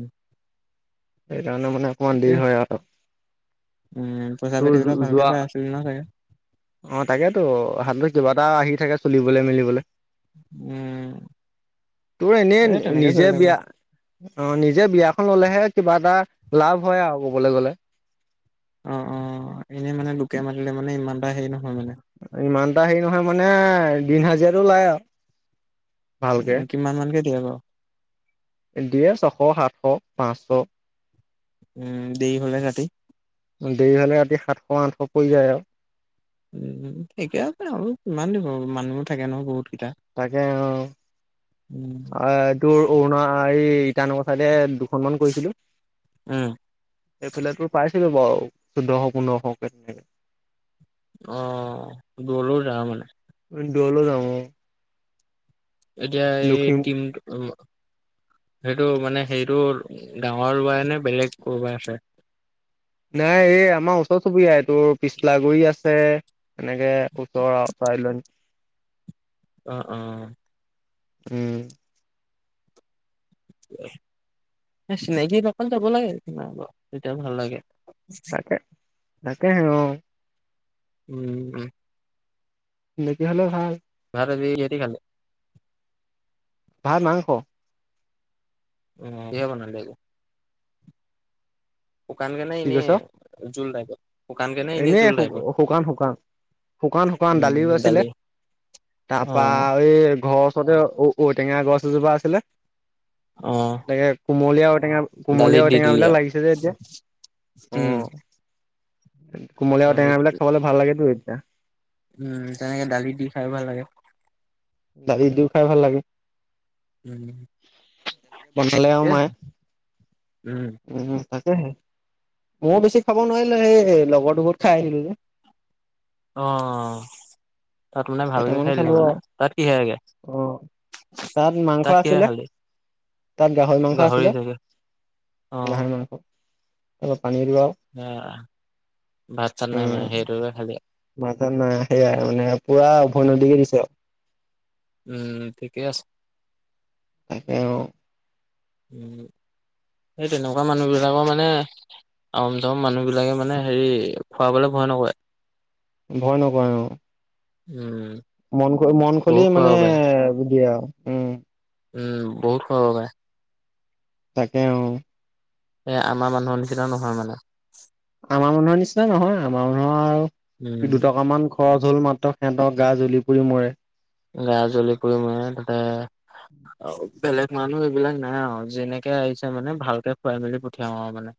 Speaker 1: সেইকাৰণে মানে অকণমান
Speaker 2: ঠিকে
Speaker 1: দেৰি হয় আৰু।
Speaker 2: উম পইচা
Speaker 1: তোৰ
Speaker 2: পাতিবলপ ভালকে
Speaker 1: যোৱা
Speaker 2: পাই আছিলে নহয় চাগে।
Speaker 1: অ তাকেইতো হাতত কিবা এটা আহি থাকে চুলিবলৈ মেলিবলৈ।
Speaker 2: উম
Speaker 1: তোৰ এনেই
Speaker 2: এই তেনেকে
Speaker 1: নিজে
Speaker 2: চলি থাকো
Speaker 1: বিয়া। অ নিজে বিয়াখন ললেহে, কিবা এটা লাভ হয় আৰু ক'বলৈ গ'লে,
Speaker 2: অ অ এনেই মানে লোকে মাতিলে মানে ইমান এটা হেৰি নহয়। মানে
Speaker 1: ইমান এটা হেৰি নহয় মানে দিন হাজিৰাো উপায় আৰু ভালকে,
Speaker 2: উম, কিমান মানকে দিয়ে বাৰু
Speaker 1: দিয়ে ছশ সাতশ পাঁচশো
Speaker 2: উম দেৰি হ'লে ৰাতি
Speaker 1: দেৰি হ'লে ৰাতি সাতশ আঠশ পৰি যায় আৰু
Speaker 2: উম ঠিকে আছে আৰু, কিমান দিব মানুহবোৰ থাকে নহয় বহুত কেইটা
Speaker 1: তাকে অ',
Speaker 2: উম।
Speaker 1: অ' তোৰ অৰুণা ইটানগৰ চাইডে দুখনমান কৰিছিলোঁ
Speaker 2: উম,
Speaker 1: এইফালেটো পাইছিলে বাৰু চৈধ্য়শ পোন্ধৰশ কে
Speaker 2: অ' দূৰলৈও যাওঁ মানে।
Speaker 1: ম দূৰলৈ যাওঁ, অ'
Speaker 2: এতিয়া এই
Speaker 1: লখিম
Speaker 2: তিম সেইটো মানে সেইটো গাঁৱৰ ল'ৰাই নে বেলেগ ক'ৰবাই আছে
Speaker 1: নাই এই আমাৰ ওচৰ চুবুৰীয়া, এই তোৰ পিছলাগুৰি আছে এনেকে ওচৰ চাইল [unintelligible]
Speaker 2: অ' অ'।
Speaker 1: উম।
Speaker 2: চিনাকি অকল যাব লাগে, তেতিয়া ভাল লাগে।
Speaker 1: তাকে তাকে হে, অ'
Speaker 2: উম।
Speaker 1: এনেকি হ'লে ভাল।
Speaker 2: [unintelligible] সিহঁতি খালে।
Speaker 1: ভাত মাংস।
Speaker 2: উম দে বনালি শুকান কে নে
Speaker 1: কি
Speaker 2: এনেই
Speaker 1: কৈছ
Speaker 2: জোল টাইপ
Speaker 1: এনেই শু শুকান শুকান শুকান শুকান দালিও
Speaker 2: উম,
Speaker 1: আছিলে
Speaker 2: দালি অ,
Speaker 1: তাৰপা এই ঘৰৰ ওচৰতে ঔ-টেঙা গছ এজোপা আছিলে
Speaker 2: অ,
Speaker 1: তাকে কুমলীয়া ঔ-টেঙা, কুমলীয়া
Speaker 2: দালিত দি দিলি
Speaker 1: ঔ-টেঙাবিলাক
Speaker 2: আৰু
Speaker 1: লাগিছে যে এতিয়া অ
Speaker 2: উম।
Speaker 1: কোমলীয়া আৰু
Speaker 2: দালিত
Speaker 1: টেঙাবিলাক খাবলে ভাল লাগেতো এতিয়া
Speaker 2: উম তেনেকে দালি দি খাই ভাল লাগে
Speaker 1: দালি দিও খাই ভাল লাগে
Speaker 2: উম,
Speaker 1: বনালে আৰু
Speaker 2: ঠিকে
Speaker 1: মায়ে
Speaker 2: আছে উম।
Speaker 1: তাকেহে ময়ো বেছি খাব নোৱাৰিলোঁ, সেই লগৰটো ঘৰত খাই আহিলোঁ যে
Speaker 2: অ', তাত মানে ভালকে
Speaker 1: কেইটামান
Speaker 2: খাই দিলি
Speaker 1: খালো
Speaker 2: মানে,
Speaker 1: আৰু
Speaker 2: তাত কিহেগে
Speaker 1: অ তাত মাংস আছিলে, তাত গাহৰি মাংস আছিলে
Speaker 2: অ
Speaker 1: গাহৰি মাংস তাৰপৰা পানীলাও
Speaker 2: ভাত চাত নাই মানে, হেতুকে খালি
Speaker 1: মাজান নাই সেয়াই মানে পুৰা উভয়নদীকে দিছে আৰু
Speaker 2: উম, ঠিকেই আছে
Speaker 1: তাকে অ'।
Speaker 2: উম, সেই তেনেকুৱা মানুহ বিলাকৰ মানে উম চম মানুহ বিলাকে মানে হেৰি, খোৱাবলে ভয় নকৰে।
Speaker 1: ভয় নকৰে অ'।
Speaker 2: উম।
Speaker 1: মন খ মন খুলি
Speaker 2: বহুত খুৱাব
Speaker 1: মানে
Speaker 2: পাৰে
Speaker 1: দিয়ে আৰু, উম।
Speaker 2: উম, বহুত খোৱা পায়।
Speaker 1: তাকে অ'।
Speaker 2: এ, আমাৰ মানুহৰ নিচিনা নহয়, মানে।
Speaker 1: আমাৰ মানুহৰ নিচিনা নহয়, আমাৰ মানুহৰ
Speaker 2: উম
Speaker 1: আৰু দুটকামান খৰচ হল মাত্ৰ সিহঁতৰ গা জ্বলি পুৰি মৰে।
Speaker 2: গা জ্বলি পুৰি মৰে, তাতে আউ বেলেগ মানুহ এইবিলাক নাই আৰু যেনেকে আহিছে মানে ভালকে খুৱাই মেলি পঠিয়াও আৰু মানে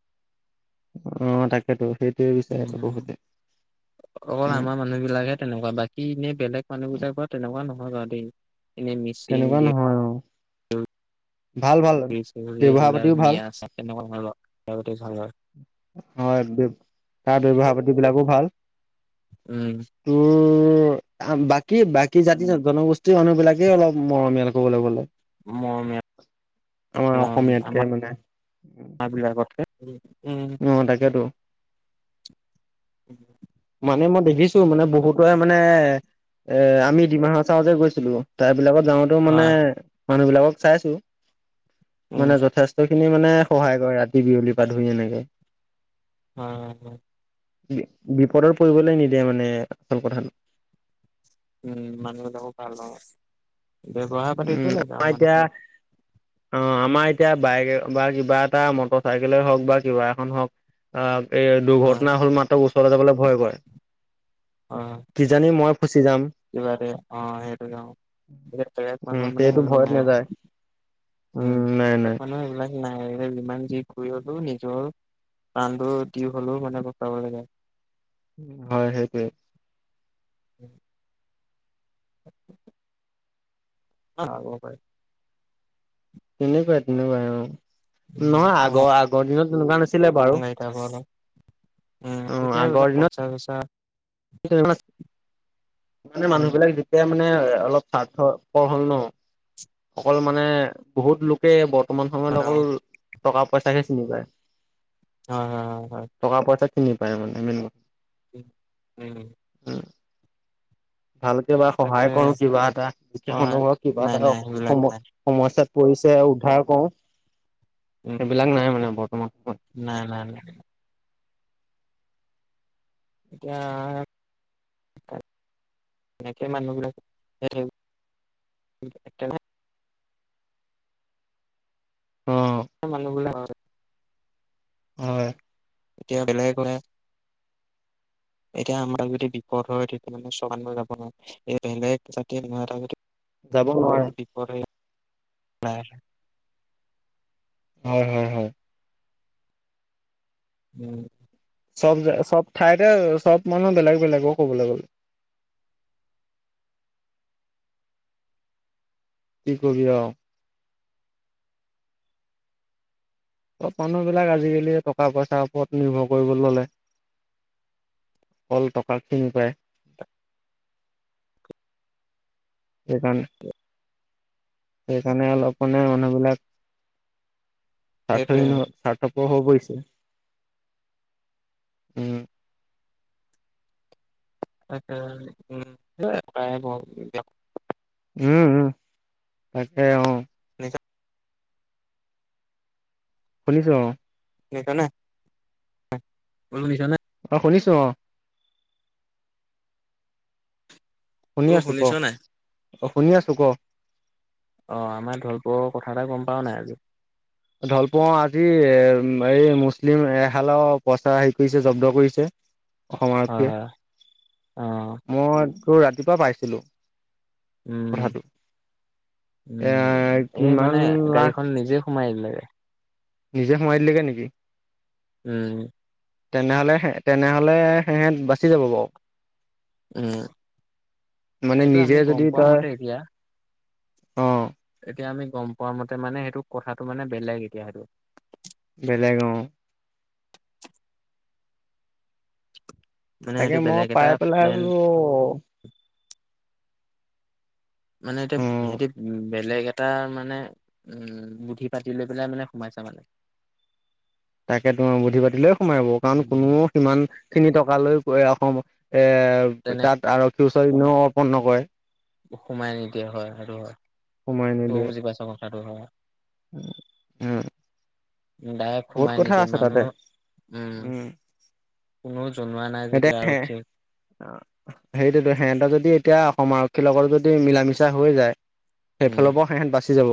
Speaker 1: অ তাকেতো সেইটোৱে বিচাৰে
Speaker 2: উম
Speaker 1: বহুতে।
Speaker 2: অকল
Speaker 1: উম
Speaker 2: আমাৰ মানুহ বিলাকহে তেনেকুৱা বাকী এনেই বেলেগ মানুহবিলাক তেনেকুৱা নহয় বাৰু দেই। এনে মিচিং
Speaker 1: তেনেকুৱা
Speaker 2: দে।
Speaker 1: নহয় অ ভাল ভাল ব্যৱহাৰ
Speaker 2: এইবিলাক
Speaker 1: পাতিও ভাল
Speaker 2: মিয়া [unintelligible] তেনেকুৱা ধৰনৰ তেওঁলোকে ভাল হয়।
Speaker 1: হয় তাৰ ব্যৱহাৰ পাতি বিলাকো ভাল
Speaker 2: উম।
Speaker 1: তোৰ বাকী বাকী জাতি জনগোষ্ঠীৰ মানুহ বিলাকে অলপ মৰমীয়াল কবলৈ গ'লে। আমাৰ
Speaker 2: মই
Speaker 1: অসমীয়াতকে
Speaker 2: আমাৰ
Speaker 1: মানে।
Speaker 2: বিলাকতকে উম
Speaker 1: অ তাকেতো।
Speaker 2: উম
Speaker 1: মানে মই দেখিছোঁ মানে বহুতৰে মানে এ আমি ডিমা হাচাওঁ যে গৈছিলোঁ তাত। বিলাকত যাওঁতেও মানে
Speaker 2: হয়
Speaker 1: মানুহ বিলাকক চাইছো
Speaker 2: উম
Speaker 1: মানে যথেষ্ট খিনি মানে সহায় কৰে ৰাতি বিয়লি পা ধৰি এনেকে।
Speaker 2: হয় হয়।
Speaker 1: বিপদত পৰিবলৈ নিদিয়ে মানে আচল কথাটো
Speaker 2: উম মানুহবিলাকো ভাল নহ ব্যৱহাৰ পাতি
Speaker 1: উম
Speaker 2: একোয়ে
Speaker 1: আমাৰ
Speaker 2: নেজানে মানুহ।
Speaker 1: এতিয়া অ আমাৰ এতিয়া বাইক বা কিবা এটা মটৰ চাইকেলে হওক বা কিবা এখন হওক অ। এ
Speaker 2: হয়
Speaker 1: দুৰ্ঘটনা হল মাত্ৰ ওচৰলৈ যাবলৈ ভয় কৰে কিজানি মই। ফচি যাম
Speaker 2: কিবাৰে অ সেইটো কাৰনে এতিয়া
Speaker 1: উম
Speaker 2: মানুহৰ মানে
Speaker 1: সেইটো
Speaker 2: সেইবোৰ
Speaker 1: ভয়ত
Speaker 2: নাই
Speaker 1: নাযায়
Speaker 2: আৰু উম
Speaker 1: নাই নাই
Speaker 2: বেলেগ মানুহ সেইবিলাক নাই যিমান যি ই হলেও নিজৰ প্ৰানটো দি হলেও মানে বচাবলৈ যায়।
Speaker 1: হয় সেইটোৱে।
Speaker 2: উম অ হব পাৰে
Speaker 1: তেনেকুৱাই তেনেকুৱাই অ নহয় আগৰ আগৰ দিনত তেনেকুৱা নাছিল।
Speaker 2: [unintelligible] অলপ উম
Speaker 1: অ
Speaker 2: এতিয়া
Speaker 1: আগৰ
Speaker 2: এইবিলাক
Speaker 1: দিনত
Speaker 2: পইচা চইচা।
Speaker 1: [unintelligible] মানে
Speaker 2: উম
Speaker 1: মানুহবিলাক যেতিয়া মানে অলপ স্বাৰ্থ পৰ হল ন অকল মানে বহুত লোকে বৰ্ত বৰ্তমান
Speaker 2: হয়
Speaker 1: সময়ত অকল টকা পইচাহে চিনি পায়।
Speaker 2: হয় হয় হয় হয়
Speaker 1: টকা পইচা চিনি পায় মানে মেইন কথা।
Speaker 2: উম।
Speaker 1: উ ভালকে বা সহায়
Speaker 2: তাকে
Speaker 1: কৰোঁ কিবা এটা সেই
Speaker 2: হয়
Speaker 1: সময়ত কিবা
Speaker 2: নাই
Speaker 1: এটা
Speaker 2: নাই সেইবিলাক নাই
Speaker 1: সমস্যাত। পৰিছে উদ্ধাৰ কৰোঁ।
Speaker 2: উম
Speaker 1: সেইবিলাক নাই মানে বৰ্তমান সময়ত।
Speaker 2: নাই নাই নাই এতিয়া এনেকে মানুহবিলাক সেই। এক নাই
Speaker 1: অ
Speaker 2: মানুহবিলাক।
Speaker 1: হয়
Speaker 2: এতিয়া বেলেগ হয়। এতিয়া আমাৰ যদি বিপদ হয় তেতিয়া মানে চগান যাব নোৱাৰে এই বেলেগ জাতি কোনোবা এটা যদি
Speaker 1: যাব নোৱাৰে।
Speaker 2: নাই।
Speaker 1: হয় হয় হয়
Speaker 2: উম।
Speaker 1: চব, চব ঠাইতে চব মানুহ বেলেগ বেলেগ অহ, কবলৈ গ'লে।
Speaker 2: [inaudible]
Speaker 1: কি কবি আৰু। চব মানুহবিলাক আজিকালি টকা পইচাৰ ওপৰত নিৰ্ভৰ কৰিবলৈ ল'লে। অকল টকাক চিনি পায়। সেইকাৰণে সেইকাৰণে, অলপ মানে মানুহবিলাক
Speaker 2: সেইটোৱে
Speaker 1: হৈ পৰিছে। উম্।
Speaker 2: তাকে উম, প্ৰায়। [unintelligible]
Speaker 1: উম', উম'। তাকে অহ'। শুনিছো অ'।
Speaker 2: শুনিছা নে? বোলো শুনিছা নে?
Speaker 1: অ' শুনিছো অ'। শুনি
Speaker 2: অ
Speaker 1: আছোঁ ক।
Speaker 2: শুনিছ নাই
Speaker 1: অ' শুনি আছোঁ ক।
Speaker 2: অহ' আমাৰ ঢলপুৰৰ কথা এটা গম পাৱ নাই আজি?
Speaker 1: ঢলপুৰৰ আজি, এই মুছলিম এহালৰ পইচা হেৰি কৰিছে, জব্দ কৰিছে। অসম
Speaker 2: হয়
Speaker 1: আৰক্ষীয়ে।
Speaker 2: হয়। অ
Speaker 1: মই তোৰ ৰাতিপুৱা পাইছিলো।
Speaker 2: উম'।
Speaker 1: কথাটো এ
Speaker 2: উম'। এই
Speaker 1: কিমান
Speaker 2: মানে
Speaker 1: লাখ
Speaker 2: গাড়ীখন নিজে সোমাই দিলেগে।
Speaker 1: নিজে সোমাই দিলেগে নেকি?
Speaker 2: উম'।
Speaker 1: তেনেহ'লে, তেনেহ'লে সিহঁত বাচি যাব বাৰু।
Speaker 2: উম।
Speaker 1: মানে
Speaker 2: সেইটো
Speaker 1: নিজে
Speaker 2: আমি গম
Speaker 1: যদি
Speaker 2: পোৱা
Speaker 1: তই,
Speaker 2: মতে এতিয়া
Speaker 1: অ'
Speaker 2: এতিয়া আমি গ'ম পোৱা মতে মানে, সেইটো কথাটো মানে বেলেগ এতিয়া সেইটো।
Speaker 1: বেলেগ অ'।
Speaker 2: মানে
Speaker 1: তাকে
Speaker 2: সেইটো
Speaker 1: মই
Speaker 2: বেলেগ এটা
Speaker 1: পাই পেলাই
Speaker 2: প্লেন
Speaker 1: বোলো।
Speaker 2: মানে এতিয়া
Speaker 1: অ
Speaker 2: সিহঁতি বেলেগ এটা মানে, উম্ বুদ্ধি পাতি লৈ পেলাই মানে সোমাই। আছে ভালে।
Speaker 1: তাকে তোমাৰ বুদ্ধি পাতিলৈয়ে সোমাই বাৰু। কাৰণ কোনো সিমান খিনি টকা লৈ অসম এ
Speaker 2: তেনে
Speaker 1: তাত আৰক্ষী ওচৰত এনেও অৰ্পণ নকৰে।
Speaker 2: সোমাই নিদিয়ে। হয় সেইটো হয়।
Speaker 1: সময় নিদিয়ে।
Speaker 2: কথা টো হয়।
Speaker 1: উম।
Speaker 2: ডাইৰেক্
Speaker 1: বহুত
Speaker 2: সোমাই
Speaker 1: কথা
Speaker 2: নিদিয়ে।
Speaker 1: আছে তাতে
Speaker 2: মানুহ উম্
Speaker 1: উম
Speaker 2: কোনো। জনোৱা নাই
Speaker 1: এতিয়া
Speaker 2: যেতিয়া আৰক্ষী
Speaker 1: সেইটোৱেতো, সিহঁতৰ যদি এতিয়া অসম আৰক্ষী। লগৰ যদি মিলা মিছা হৈ যায়।
Speaker 2: উম,
Speaker 1: সেইফালৰ পৰাও সিহঁত বাচি যাব।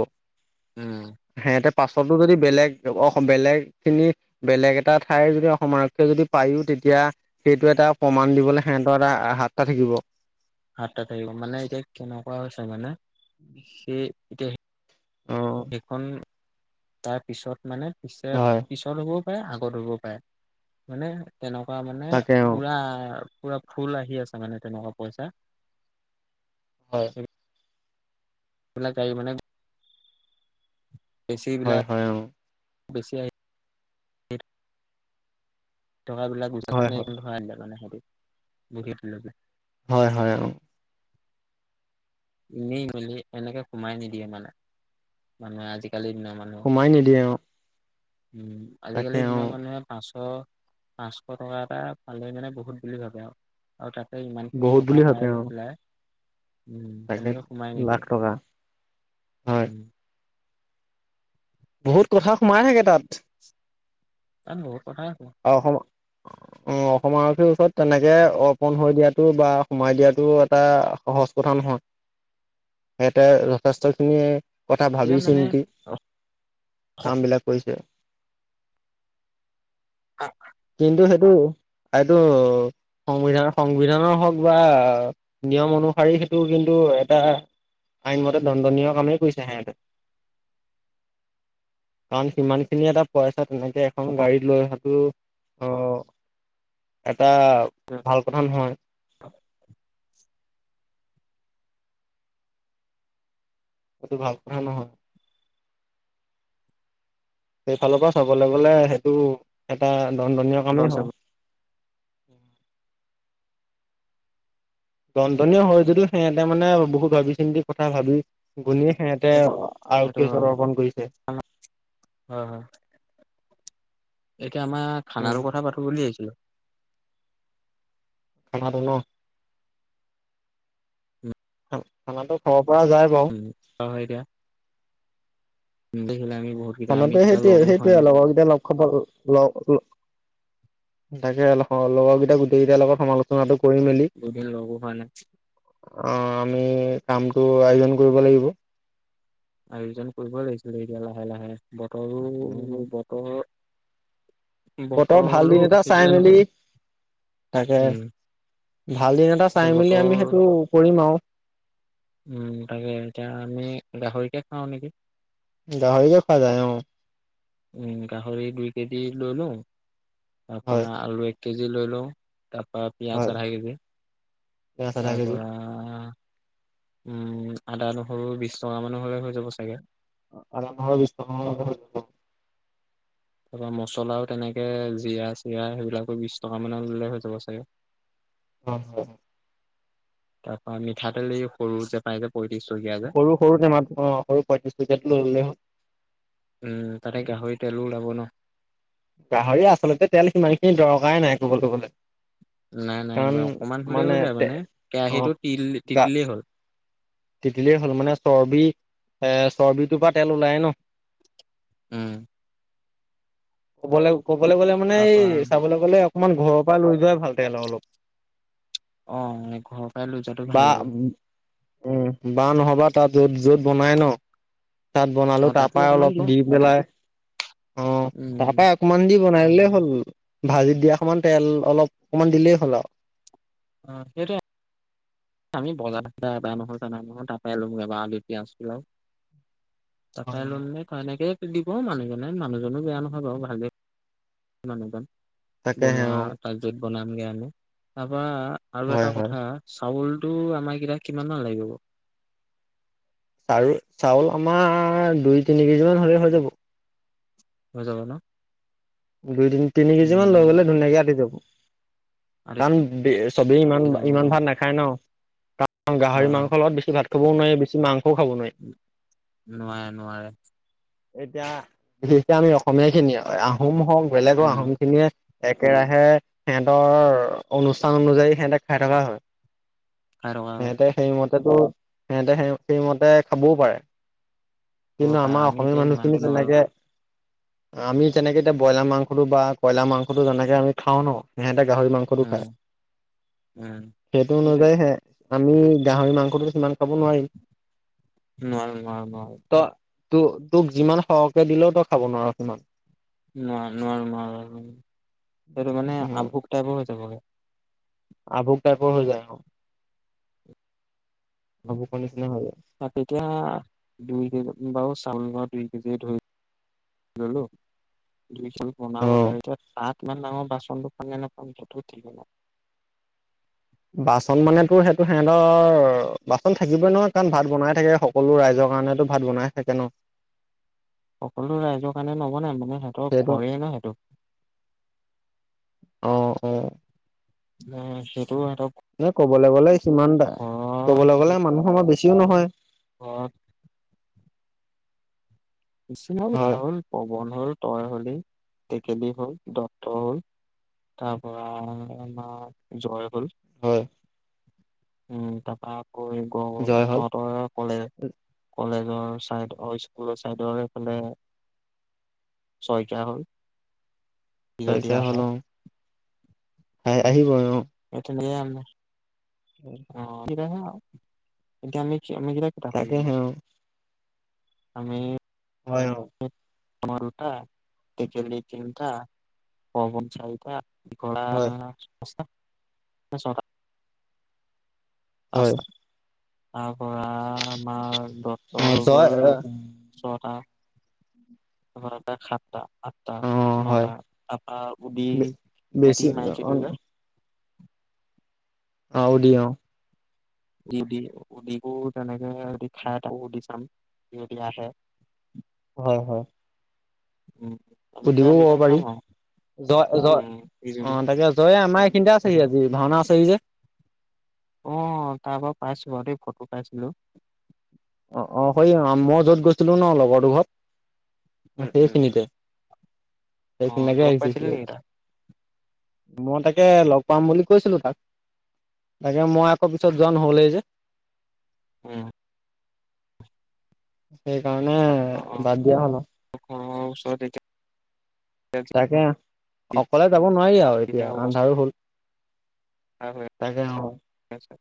Speaker 2: উম'।
Speaker 1: সিহঁতে পাছতো যদি বেলেগ অসম বেলেগ খিনি বেলেগ এটা, ঠাইৰ যদি অসম আৰক্ষীয়ে যদি পায়ো, তেতিয়া তেতিয়া সেইটো এটা প্ৰমাণ দিবলৈ সিহঁতৰ এটা হাত এটা থাকিব।
Speaker 2: হাত এটা থাকিব। মানে এতিয়া কেনেকুৱা হৈছে মানে সেই এতিয়া
Speaker 1: অ'
Speaker 2: সেইখন তাৰ পিছত মানে পিছত
Speaker 1: হয়
Speaker 2: পিছত হ'বও পাৰে আগত হ'বও পাৰে। মানে তেনেকুৱা মানে
Speaker 1: তাকে অ'
Speaker 2: পোৰা পোৰা ফুল আহি আছে মানে, তেনেকুৱা পইচা।
Speaker 1: হয়।
Speaker 2: এইবিলাকাক মানে। [unintelligible]
Speaker 1: হয়, হয়। অহ'।
Speaker 2: বেছিয়াই টকা বিলাক গুচা
Speaker 1: হয়
Speaker 2: নাই
Speaker 1: হয়
Speaker 2: এইখন ধৰাই দিলে মানে সেতি [unintelligible]
Speaker 1: হয় হয় অ
Speaker 2: এনেই মেলি এনেকে সোমাই নিদিয়ে মানে মানুহে আজি কালি ন মানুহ
Speaker 1: সোমাই নিদিয়ে অ'
Speaker 2: উম
Speaker 1: তাকে
Speaker 2: আজিকালি দিনৰ
Speaker 1: অ'
Speaker 2: মানুহে পাঁচ অ পাঁচশ টকা এটা পালে মানে বহুত বুলি ভাবে আও, আও তাত ইমান খিনি
Speaker 1: বহুত
Speaker 2: টকা পাই লৈ পেলাই উ
Speaker 1: পাকেট লাখ টকা হয়
Speaker 2: উম
Speaker 1: বহুত কথা সোমাই থাকে তাত
Speaker 2: ত বহুত কথাই
Speaker 1: অসম অ অসম আৰক্ষীৰ ওচৰত তেনেকে অৰ্পণ হৈ দিয়াটো বা সোমাই দিয়াটো এটা সহজ কথা নহয়
Speaker 2: হয় [inaudible]
Speaker 1: সেতে যথেষ্ট খিনি কথা ভাবি
Speaker 2: এতিয়া মানে
Speaker 1: চিন্তি কাম বিলাক কৰিছে কিন্তু সেইটো এইটো সংবিধান সংবিধানৰ হওক বা নিয়ম অনুসৰি সেইটো কিন্তু এটা আইনমতে দণ্ডনীয় কামেই কৰিছে সেহেতে।
Speaker 2: [inaudible]
Speaker 1: কাৰণ সিমান খিনি এটা পইচা তেনেকে এখন গাড়ীত লৈ তো অ, এত এটা ভাল কথা নহয়। সেইটো ভাল কথা নহয় সেইফালৰ পৰা চাবলৈ গ'লে সেইটো এটা দন্দনীয় কামেই হয়। উ [inaudible] দন্তনীয় হয় যদিও সিহঁতে মানে বহুত ভাবি চিন্তি কথা ভাবি গুনী সেহেতে
Speaker 2: এইটো সেইটো
Speaker 1: আৰক্ষীৰ ওচৰত অৰ্পণ কৰিছে।
Speaker 2: অ হ [unintelligible] তে আমাৰ
Speaker 1: উম
Speaker 2: খানাৰো কথা পাতো বুলি আহিছিলো
Speaker 1: খানাটো ন খানাটো খ
Speaker 2: উম, অ, হয় দিয়া [unintelligible] আমি বহুত কেইটা আমি
Speaker 1: খানাতো
Speaker 2: কেইটা
Speaker 1: সেইটোৱে
Speaker 2: লগো হোৱা
Speaker 1: সেইটোৱে
Speaker 2: নাই
Speaker 1: লগৰকেইটাই লগ খাব ল তাকে লগৰ কেইটা গোটেই কেইটাৰ লগত সমালোচনাটো কৰি মেলি অ,
Speaker 2: বহুত দিন লগো হোৱা নাই
Speaker 1: আমি কামটো আয়োজন কৰিব লাগিব
Speaker 2: আয়োজন কৰিব লাগিছিলে এতিয়া লাহে- লাহে বতৰো বতৰ
Speaker 1: বতৰ ভাল
Speaker 2: বতৰলৈও
Speaker 1: দিন এটা চাই
Speaker 2: থাকিলে
Speaker 1: মেলি
Speaker 2: নহ'লে
Speaker 1: তাকে
Speaker 2: উম
Speaker 1: ভাল দিন এটা
Speaker 2: এতিয়া
Speaker 1: চাই মেলি
Speaker 2: বতৰ
Speaker 1: আমি সেইটো কৰিম আৰু
Speaker 2: উম তাকে এতিয়া আমি গাহৰিকে খাওঁ নেকি
Speaker 1: গাহৰিয়ে খোৱা যায় অ।
Speaker 2: উম গাহৰি দুই কেজি লোলো
Speaker 1: হয়
Speaker 2: তাৰপৰা আলু এক কেজি লৈ লওঁ তাৰপৰা
Speaker 1: হয়
Speaker 2: পিঁয়াজ আধা কেজি
Speaker 1: পিয়াজ আধা
Speaker 2: তাৰ
Speaker 1: কেজি
Speaker 2: পৰা উম, আদা, নহৰু বিছ টকা মানৰ হলে হৈ যাব চাগে।
Speaker 1: আৰম্ভ হৈ বিছ টকা মানৰ হলে হৈ যাব।
Speaker 2: তাৰপৰা মছলাও তেনেকে জিৰা, চিৰা সেইবিলাকো বিছ টকা মানৰ ল'লে হৈ যাব চাগে। [inaudible]
Speaker 1: অ, হয়।
Speaker 2: তাৰপা মিঠাতেল এই সৰুজে পাই জে
Speaker 1: সৰু-সৰু টেমাত অ, সৰু পয়ত্ৰিছ টকীয়াটো লৈ ল'লে হল।
Speaker 2: উম তাতে গাহৰি তেলো ওলাব ন
Speaker 1: গাহৰি আচলতে তেল সিমান খিনি দৰকাৰে নাই কব কবলৈ
Speaker 2: নাই
Speaker 1: কাৰণ
Speaker 2: নাইবা অকমান হ'লে হৈ যায় মানে কেৰাহিতটো তিল তিতিলেই হ'ল
Speaker 1: তেতিতিলেই হ'ল মানে চৰ্বি এ চৰ্বিটোৰ পৰা তেল ওলায় ন
Speaker 2: উম
Speaker 1: ক'বলৈ ক'বলৈ গ'লে মানে এই
Speaker 2: তাৰপা
Speaker 1: চাবলৈ গ'লে অকণমান ঘৰৰ পৰা লৈ যোৱাই ভাল ল অলপ
Speaker 2: অ ঘৰৰ পৰাই লৈ যোৱাটো
Speaker 1: বা
Speaker 2: ভাল হ'ব
Speaker 1: উম বা নহ'বা তাত য'ত য'ত বনাই ন তাত
Speaker 2: অ
Speaker 1: বনালো তাৰ
Speaker 2: তাতো
Speaker 1: পৰা
Speaker 2: অকমান
Speaker 1: অলপ
Speaker 2: ল
Speaker 1: দি পেলাই অ
Speaker 2: উম
Speaker 1: তাৰ পৰা অকমান দি বনাইেই হ'ল ভাজি দিয়া সমান তেল অলপ অকমান দিলেই হ'ল আৰু
Speaker 2: অ সেইটোই আমি বজাৰ এ নহয় জানা নহয় তাৰ পৰাই লম আলু পিয়াজ পলাও তাই
Speaker 1: আৰু
Speaker 2: লে ক নেক দিব মানুহজনে মানুহজনো বেয়া নহয় বাৰু ভালেই মানুহজন
Speaker 1: তাকেহে
Speaker 2: বনোৱা
Speaker 1: অ
Speaker 2: তাত যত বনামগে আমি তাৰ পৰা আৰু এটা
Speaker 1: হয় হয়
Speaker 2: কথা চাউলটো আমাৰ কেইটা কিমান মান লাগিব
Speaker 1: চাল চাউল আমাৰ দুই তিনি কেজি মান হলে হৈ যাব
Speaker 2: হৈ যাব ন
Speaker 1: দুই তি তিনি কেজি মান লৈ
Speaker 2: উম
Speaker 1: গ'লে ধুনীয়াকে আটি যাব
Speaker 2: আৰু
Speaker 1: কাৰণ চবেই ইমান
Speaker 2: যাব অ
Speaker 1: ইমান ভাত নাখায় ন গাহৰি
Speaker 2: হয় হয়
Speaker 1: মাংসৰ লগত বেছি ভাত খাব নোৱাৰে বেছি মাংস
Speaker 2: নোৱাৰে নোৱাৰে
Speaker 1: এতিয়া বিশেষক আমি অসমীয়া খিনিয়ে আহোম হওক বেলেগৰ
Speaker 2: উম
Speaker 1: আহোম খিনিয়ে একেৰাহে সিহঁতৰ অনুষ্ঠান অনুযায়ী সিহঁতে খাই থকা হয়
Speaker 2: খাই থকা
Speaker 1: সিহঁতে সেইমতেতো সিহঁতে সেই সেইমতে খাবও পাৰে
Speaker 2: হ'ব
Speaker 1: কিন্তু
Speaker 2: পাৰে
Speaker 1: আমাৰ
Speaker 2: আমি
Speaker 1: অসমীয়া
Speaker 2: এতিয়া ইমানটো
Speaker 1: মানুহখিনি
Speaker 2: নোৱাৰো
Speaker 1: তেনেকে আমি তেনেকে এতিয়া বইলাৰ মাংসটো বা কইলাৰ মাংসটো যেনেকে আমি খা ন সিহঁতেক গাহৰি মাংসটো খাই
Speaker 2: উম উম
Speaker 1: সেইটো
Speaker 2: সেইটোৱে
Speaker 1: অনুযায়ীহে আমি গাহৰি মাংসটো সিমান খাব নোৱাৰিম
Speaker 2: নোৱাৰো নোৱাৰো
Speaker 1: ত ত তোক যিমান সহকে দিলেও তই খাব নোৱাৰ সিমান
Speaker 2: নোৱাৰ নোৱাৰো নোৱাৰো সেইটো মানে আভোক টাইপৰ হৈ যাবগৈ
Speaker 1: আবুক টাইপৰ হৈ যায় অ আভোকৰ নিচিনা হৈ যায়
Speaker 2: তা তেতিয়া দুই বু চাউল মোৱা দুই কেজি ধৰি ললো দুই চাউল বনাব
Speaker 1: অ
Speaker 2: [unintelligible] পাত কিমান ডাঙৰ বাচনটো খাঙে নাপাম তাতে নাই।
Speaker 1: বাচন মানেতো সেইটো সিহঁতৰ বাচন থাকিবই নহয় কাৰণ ভাত বনাই থাকে সকলো ৰাইজৰ ৰ কাৰণেতো ভাত বনাই থাকে ন'।
Speaker 2: সকলো ৰাইজৰ কাৰণে নবনাই মানে সিহঁতৰ
Speaker 1: সেইটো
Speaker 2: ঘৰে ন' সেইটো। [inaudible]
Speaker 1: অ অ
Speaker 2: অ, সে
Speaker 1: এ ক'বলৈ গ'লে, সিমানটা কবলৈ গ'লে মানুহ আমাৰ বেছিও নহয়।
Speaker 2: অ'। [unintelligible]
Speaker 1: হয়
Speaker 2: ৰাহুল, পৱন হল, তই হলি, টেকেলি হল, দত্ত হল। তাৰ পৰা আমাৰ জয় হ'ল।
Speaker 1: হয়।
Speaker 2: উম, তাৰপৰা আকৌ গৈ
Speaker 1: জয় হল
Speaker 2: তহতৰ কলে-কলেজ জৰ চাইড অ' স্কুল আছে। ঠাইডৰ সেইফালে চইকীয়া হ'ল। সি যদি
Speaker 1: চইকীয়া
Speaker 2: আহে
Speaker 1: হল হয়। হে আহিবই অ'।
Speaker 2: এ আমি। [unintelligible] এতিয়া আমি মমি জিৰা কেইটা হয়
Speaker 1: তাকেহে অ
Speaker 2: আমি
Speaker 1: হয়
Speaker 2: আমা দুটা, তেকেলি তিনটা, পৱন চাইটা ঘলা
Speaker 1: হয়
Speaker 2: পাঁচটা না ছয়টা
Speaker 1: হয়
Speaker 2: পাঁচটা আ। পৰা আমাৰ দত্ত
Speaker 1: অ
Speaker 2: হৈ
Speaker 1: জয়
Speaker 2: গ'ল ছটা। তোমাৰ এটা সাতটা আঠটা,
Speaker 1: অ হয়
Speaker 2: নটা, তাপা উদি,
Speaker 1: বেছি
Speaker 2: উদি
Speaker 1: অ',
Speaker 2: মাইকীটো যে।
Speaker 1: অ' উদি অ'।
Speaker 2: উদি, উদি তেনেকে দি খাই এটাকো দি চাম। যদি আহে
Speaker 1: হয়, হয়।
Speaker 2: উ তেনেকে আমি আমি খাম আৰু
Speaker 1: জ জ
Speaker 2: উম সি যদি
Speaker 1: অ তাকে জয়ে আমাৰ এইখিনিতে আছেহি আজি ভাওনা আছে চেই যে
Speaker 2: অ তাৰ পৰা পাইছো আৰু দে ফটো পাইছিলো
Speaker 1: অ অ সেই মই যত গৈছিলো ন লগৰ তোৰ ঘৰত অ'
Speaker 2: উম উম।
Speaker 1: সেইখিনিতে,
Speaker 2: অ
Speaker 1: সেইখিনিলেকে
Speaker 2: লগ
Speaker 1: আহিছে
Speaker 2: পাইছিলি
Speaker 1: সিয়ে।
Speaker 2: নেকি তাক?
Speaker 1: মই তাকে লগ পাম বুলি কৈছিলো তাক তাকে মই আকৌ পিছত যোৱা নহ'লেই যে।
Speaker 2: উ।
Speaker 1: সেইকাৰণে বাদ দিয়া হ'লো।
Speaker 2: ছয় তাইখে।
Speaker 1: তাকে অকলে যাব নাৱাৰি আৰু
Speaker 2: যিহে
Speaker 1: এতিয়া
Speaker 2: অৱস্থা
Speaker 1: আন্ধাৰো হল
Speaker 2: হৈ
Speaker 1: তাকে অ
Speaker 2: আছে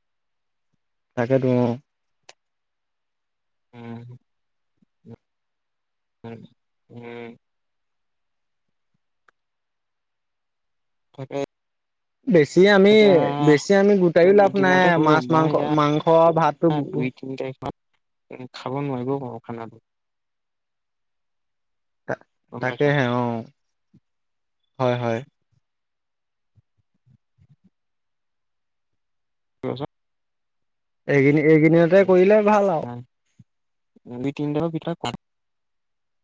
Speaker 1: থাকে টো অহ
Speaker 2: উম উম উম থাকে
Speaker 1: বেছি আমি, বেছি আমি গোটাইও লাভ নাই
Speaker 2: এদিনতে কৰো
Speaker 1: মাছ মাংস, মাংস ভাতটো গো
Speaker 2: তিন তাইখ মা, উ খাব নোৱাৰিবও পাওঁ খানাটো। গম পাইছ।
Speaker 1: তাকেহে অঁ হয় হয়
Speaker 2: ক আছে [unintelligible]
Speaker 1: এইখিনি এইখিনিতে কৰিলে ভাল আৰু
Speaker 2: দুই তিনিটাৰ ভিতৰত কম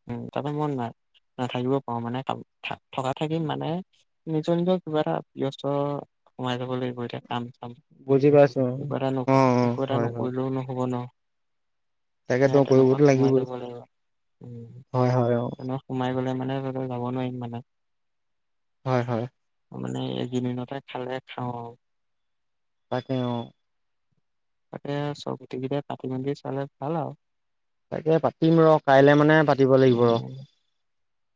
Speaker 2: উম তাপা মন নাই। নাথাকিব পাৰো মানে থকা থাকি মানে নিজৰ নিজৰ কিবা এটা ব্যস্ত সোমাই যাব লাগিব এতিয়া কাম চাম।
Speaker 1: বুজি পাইছো।
Speaker 2: একো এটা
Speaker 1: অ', অ',
Speaker 2: নক-একো এটা
Speaker 1: হয়, হয়
Speaker 2: নকৰিলেও নহ'ব ন। এ
Speaker 1: তাকেতো
Speaker 2: তেনেকুৱাত
Speaker 1: কৰিবতো
Speaker 2: সোমাই
Speaker 1: লাগিবই
Speaker 2: যাব লাগিব উম
Speaker 1: হয় হয় অ
Speaker 2: তেনেকুৱাত সোমাই গলে মানে ত যাব নোৱাৰিম মানে
Speaker 1: হয় হয়
Speaker 2: মানে এগিদিনতে খালে খাওঁ আও।
Speaker 1: তাকে আৰু
Speaker 2: তাকে চ গোটে কেইটাই পাতি মেলি চালে ভাল আও।
Speaker 1: তাকে পাতিম ৰ কাইলে মানে পাতিব লাগিব ৰ
Speaker 2: উম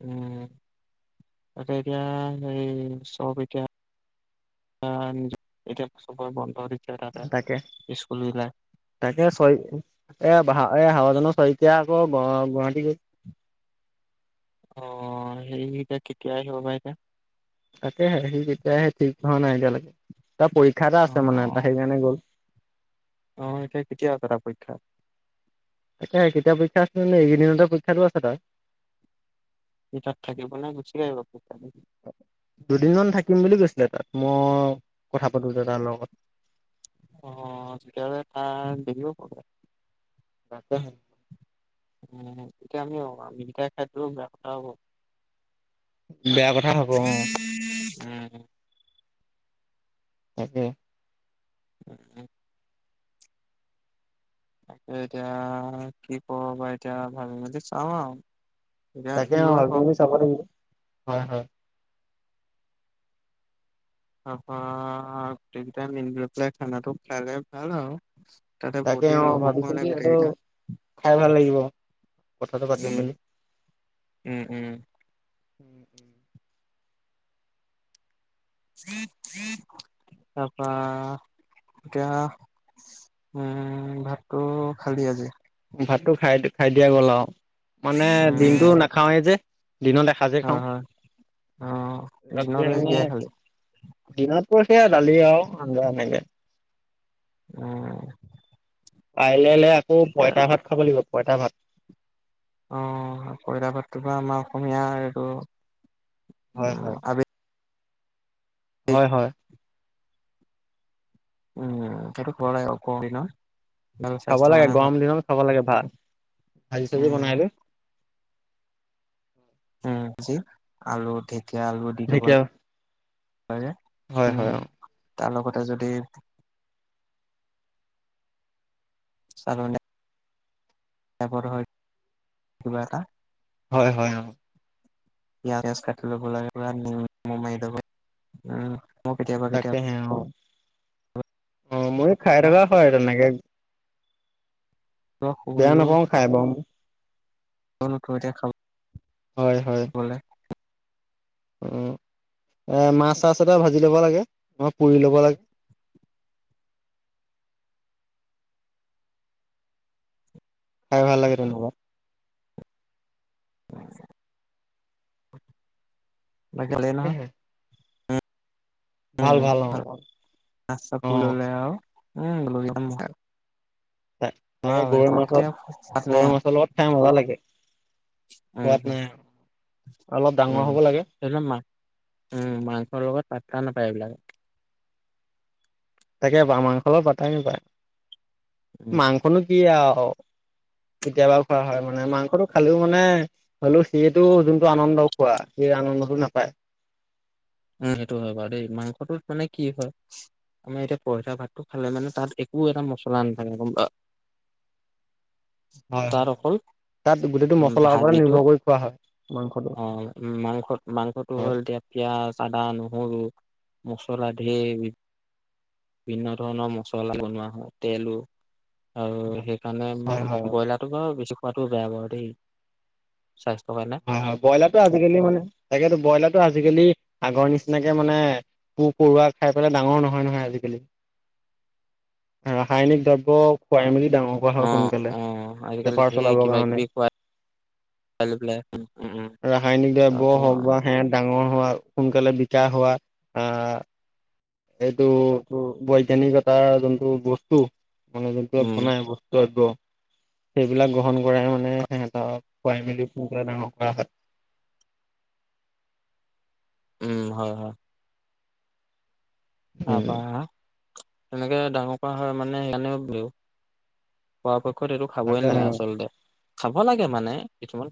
Speaker 2: উম ততে এতিয়া হে চব এতিয়া উম এতিয়া চবৰে বন্ধ দি
Speaker 1: তাকে তাকে চয় এ এ হাৱ জন চৈতিয়া আকৌ গ গুৱাহাটী গৈছ
Speaker 2: অ ', সেই এতিয়া কেতিয়া আহিব বা এতিয়া?
Speaker 1: তাকেহে সি কেতিয়া আহে, ঠিক হোৱা নাই এতিয়ালৈকে। তাৰ পৰীক্ষা এটা
Speaker 2: অ
Speaker 1: আছে মানে এটা সেইকাৰণে গ'ল।
Speaker 2: অ' এতিয়া কেতিয়া আছে তাৰ পৰীক্ষা?
Speaker 1: তাকে কেতিয়া পৰীক্ষা আছে জানো, এইকেইদিনতে পৰীক্ষাটো আছে তাৰ।
Speaker 2: সি তাত থাকিব নে, গুচি আহিব?
Speaker 1: দুদিনমান [unintelligible] মই কথা পাতো দাদাৰ লগত
Speaker 2: অ', তেতিয়াহলে তাৰ দেৰি হব।
Speaker 1: [inaudible]
Speaker 2: এতিয়া আমি মিঠাই খাই থলেও বেয়া কথা হ'ব।
Speaker 1: বেয়া কথা হ'ব অ'।
Speaker 2: উম।
Speaker 1: তাকে।
Speaker 2: [inaudible] এতিয়া কি ক‌ও বা এতিয়া ভাবি মেলি চাম আৰু। এতিয়া
Speaker 1: তাকে অ',
Speaker 2: ইউৱা
Speaker 1: ভাবি
Speaker 2: হওক
Speaker 1: মেলি চাব লাগিব। হয়, হয়।
Speaker 2: তাতপা গোটেই কিতাই মিলি লৈ পেলাই খানাটো খালে ভাল আৰু। তাতে বহুত
Speaker 1: তাকে
Speaker 2: দিন
Speaker 1: অ'
Speaker 2: লগো পোৱা
Speaker 1: ভাবিছিলোঁ
Speaker 2: নাই
Speaker 1: কি সেইটো
Speaker 2: গোটেইকেইটা
Speaker 1: খাই ভাল লাগিব। কথাটো পাতিম
Speaker 2: উম
Speaker 1: বুলি,
Speaker 2: উম, উম।
Speaker 1: [inaudible]
Speaker 2: তাৰপা এতিয়া উম ভাতটো খালি আজি।
Speaker 1: ভাতটো খাই, খাই দিয়া গ'ল আৰু মানে দিনটো
Speaker 2: উম
Speaker 1: নাখাওয়ে যে। দিনত এসাজে
Speaker 2: হয়
Speaker 1: খাওঁ।
Speaker 2: হয় অ দিনত
Speaker 1: ৰাতি
Speaker 2: আজি
Speaker 1: এনে
Speaker 2: কিহে খালি
Speaker 1: দিনত [unintelligible] দালি আৰু আঞ্জা এনেকে।
Speaker 2: অ'।
Speaker 1: কাইলেলে আকৌ পঁইতা ভাত খাব লাগিব, পঁইতা ভাত।
Speaker 2: অ', পঁইতা ভাতটোৰ পৰা আমাৰ অসমীয়া আৰু।
Speaker 1: হয় হয়
Speaker 2: খাবি।
Speaker 1: হয়, হয়।
Speaker 2: উম, সেইটো [unintelligible]
Speaker 1: খাব লাগে,
Speaker 2: কাৰণে ভাল
Speaker 1: গৰম দিনত খাব লাগে, ভাল ভাজি-চাজি
Speaker 2: উম
Speaker 1: বনাই ল‌ই।
Speaker 2: উম, যি আলু এতিয়া আলু দি দিব
Speaker 1: ঢেকীয়া
Speaker 2: লে লাগে,
Speaker 1: হয়
Speaker 2: উম।
Speaker 1: হয় অ
Speaker 2: তাৰ লগতে যদি, [unintelligible] এপত হয়, কিবা এটা।
Speaker 1: হয় হয়, অ'।
Speaker 2: পিয়াঁজ কাটি ল'ব লাগিব নিম নেমু মাৰি লব উম। মই কেতিয়াবা
Speaker 1: তাকে হে, অ' অ', মইয়ো খাই থকা
Speaker 2: কেতিয়াবা
Speaker 1: হয় তেনেকে। বেয়া
Speaker 2: শুইও
Speaker 1: নাপাওঁ খাই বাও।
Speaker 2: [unintelligible] এতিয়া খাব
Speaker 1: হয় হয়
Speaker 2: বোলে।
Speaker 1: উম। এ, মাছ-চাছ এটা ভাজি ল'ব লাগে নহ পুৰি ল'ব লাগে।
Speaker 2: [inaudible]
Speaker 1: খাই ভাল লাগে তেনেকুৱা।
Speaker 2: [unintelligible] [unintelligible]
Speaker 1: ভাল
Speaker 2: উম,
Speaker 1: ভাল অ অ'
Speaker 2: [unintelligible]
Speaker 1: [unintelligible] তাকে গৰৈ মাছত
Speaker 2: সোৱাদ
Speaker 1: -
Speaker 2: নাই
Speaker 1: গৰৈ
Speaker 2: আৰু
Speaker 1: মাছৰ লগত খাই মজা লাগে। কোৱাত নাই অলপ
Speaker 2: উ
Speaker 1: ডাঙৰ হ'ব লাগে
Speaker 2: মা উম মাংসৰ লগত পাতা নাপ পাই বিলাক
Speaker 1: তাকে বা মাংসৰ লগত পাত্তাই নাপায়
Speaker 2: উম
Speaker 1: মাংসনো কি আৰু কেতিয়াবাও খোৱা হয় আমাৰ। মানে মাংসটো খালেও মানে হলেও সেইটো যোনটো আনন্দ খোৱা সি আনন্দটো নাপায়।
Speaker 2: উম, সেইটো হয় বা দেই মাংসটোত মানে কি হয়। আমাৰ এতিয়া পঁইতা ভাতটো খালে মানে, তাত একো এটা মছলা নাথাকে গম পাওঁ। [inaudible]
Speaker 1: হয়, হয়। তাত গোটেইটো
Speaker 2: উম,
Speaker 1: মছলাৰ ওপৰত নিৰ্ভৰ
Speaker 2: ভাজিটোত
Speaker 1: কৰি খোৱা হয় মাংসটো
Speaker 2: আহ উম মাংস-মাংসটো
Speaker 1: হয়
Speaker 2: হ'ল এতিয়া। পিঁয়াজ আদা নহৰু মচলা ধেইবিধ। বিভিন্ন ধৰণৰ মছলা বনোৱা হয়, তেলো আৰু হেইকাৰণে
Speaker 1: হয়
Speaker 2: ইমান
Speaker 1: হয়
Speaker 2: ব্ৰইলাৰটো বাৰু বেছি খোৱাটোও বেয়া বাৰু দেই। স্বাস্থ্যৰ কাৰণে
Speaker 1: হয়, হয়, ব্ৰইলাৰটো আজিকালি মানে তাকেতো ব্ৰইলাৰটো আজিকালি। আগৰ নিচিনাকে মানে পো-পৰুৱা খাই পেলাই ডাঙৰ নহয় নহয় আজিকালি। ৰাসায়নিক দ্ৰব্য খুৱাই মেলি ডাঙৰ কৰা
Speaker 2: অ
Speaker 1: হয় সোনকালে,
Speaker 2: অ আজিকালি
Speaker 1: বেপাৰ
Speaker 2: ঢেৰ
Speaker 1: চলাবৰ
Speaker 2: কিবা
Speaker 1: কাৰণে।
Speaker 2: কিবি খুৱাই লৈ পেলাই উম উম
Speaker 1: ৰাসায়নিক দ্ৰব্য
Speaker 2: তাৰপৰা
Speaker 1: হওক বা সে ডঙ ডাঙৰ হোৱা সোনকালে বিকা হোৱা আহ এইটো বৈজ্ঞানিকতাৰ যোনটো বস্তু, মানে যোনটো
Speaker 2: উম
Speaker 1: বনাই বস্তু এইটো সেইবিলাক গ্ৰহণ কৰাই মানে সিহঁতক খোৱাই মেলি সোনকালে ডাঙৰ কৰা হয়।
Speaker 2: উম, হয়, হয়। আ
Speaker 1: উম
Speaker 2: পা আ তেনেকে ডাঙৰ কৰা হয় মানে সেইকাৰণে কত এইটো খাবই
Speaker 1: তাকে
Speaker 2: নালাগে আচলতে খাব লাগে মানে কিছুমান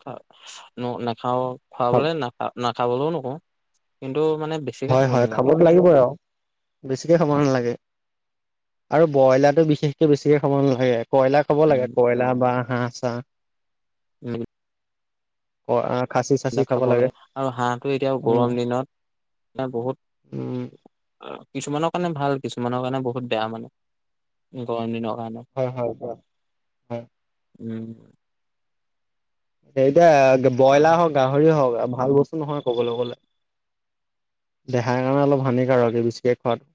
Speaker 2: ন নাখাও। খোৱাবলৈ নাখা-নাখাবলৈও নকওঁ কিন্তু। মানে বেছিকে
Speaker 1: হয়,
Speaker 2: খাব
Speaker 1: হয়,
Speaker 2: নালাগে
Speaker 1: খাবতো লাগিবই আৰু। বেছিকে খাব নালাগে আৰু ব্ৰইলাৰটো বিশেষকৈ বেছিকে খাব নালাগে। বয়লা খাব লাগে।
Speaker 2: উম
Speaker 1: কয়লা বা হাঁহ, চাহ।
Speaker 2: উম।
Speaker 1: কআত
Speaker 2: খাব লাগে আৰু হাঁহটো এতিয়াও
Speaker 1: উম
Speaker 2: গৰম দিনত এ, বহুত
Speaker 1: উম
Speaker 2: আহে। কিছুমানৰ কাৰণে ভাল কিছুমানৰ কাৰণে বহুত বেয়া মানে গৰম দিনত।
Speaker 1: হয়, হয়, হয়, হয়।
Speaker 2: উম।
Speaker 1: এতিয়া ব্ৰইলাৰ হওক, গাহৰি হওক ভাল বস্তু নহয় কবলৈ গলে। দেহাৰ কাৰণে অলপ হানিকাৰকো বেছিকৈ খোৱাতটো।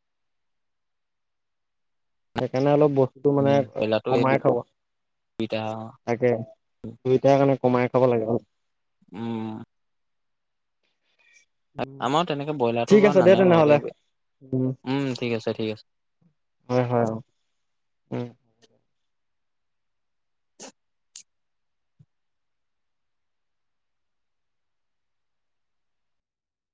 Speaker 1: সেইকাৰণে অলপ বস্ত সেইটো মানে
Speaker 2: উম ব্ৰইলাৰটো এই
Speaker 1: কমাই খাব
Speaker 2: দুইটা
Speaker 1: তাকে দুইটাৰ কাৰণে। কমাই খাব লাগে অ'।
Speaker 2: উ, উ। আমাৰ তেনেকে ব্ৰইলাৰটো
Speaker 1: ঠিক
Speaker 2: বাৰো
Speaker 1: আছে দে
Speaker 2: নানে বাৰু
Speaker 1: তেনেহ'লে
Speaker 2: দেই উম, ঠিক আছে ঠিক আছে।
Speaker 1: হয়, হয়, অ, উ।
Speaker 2: বুজি পোৱা নাই।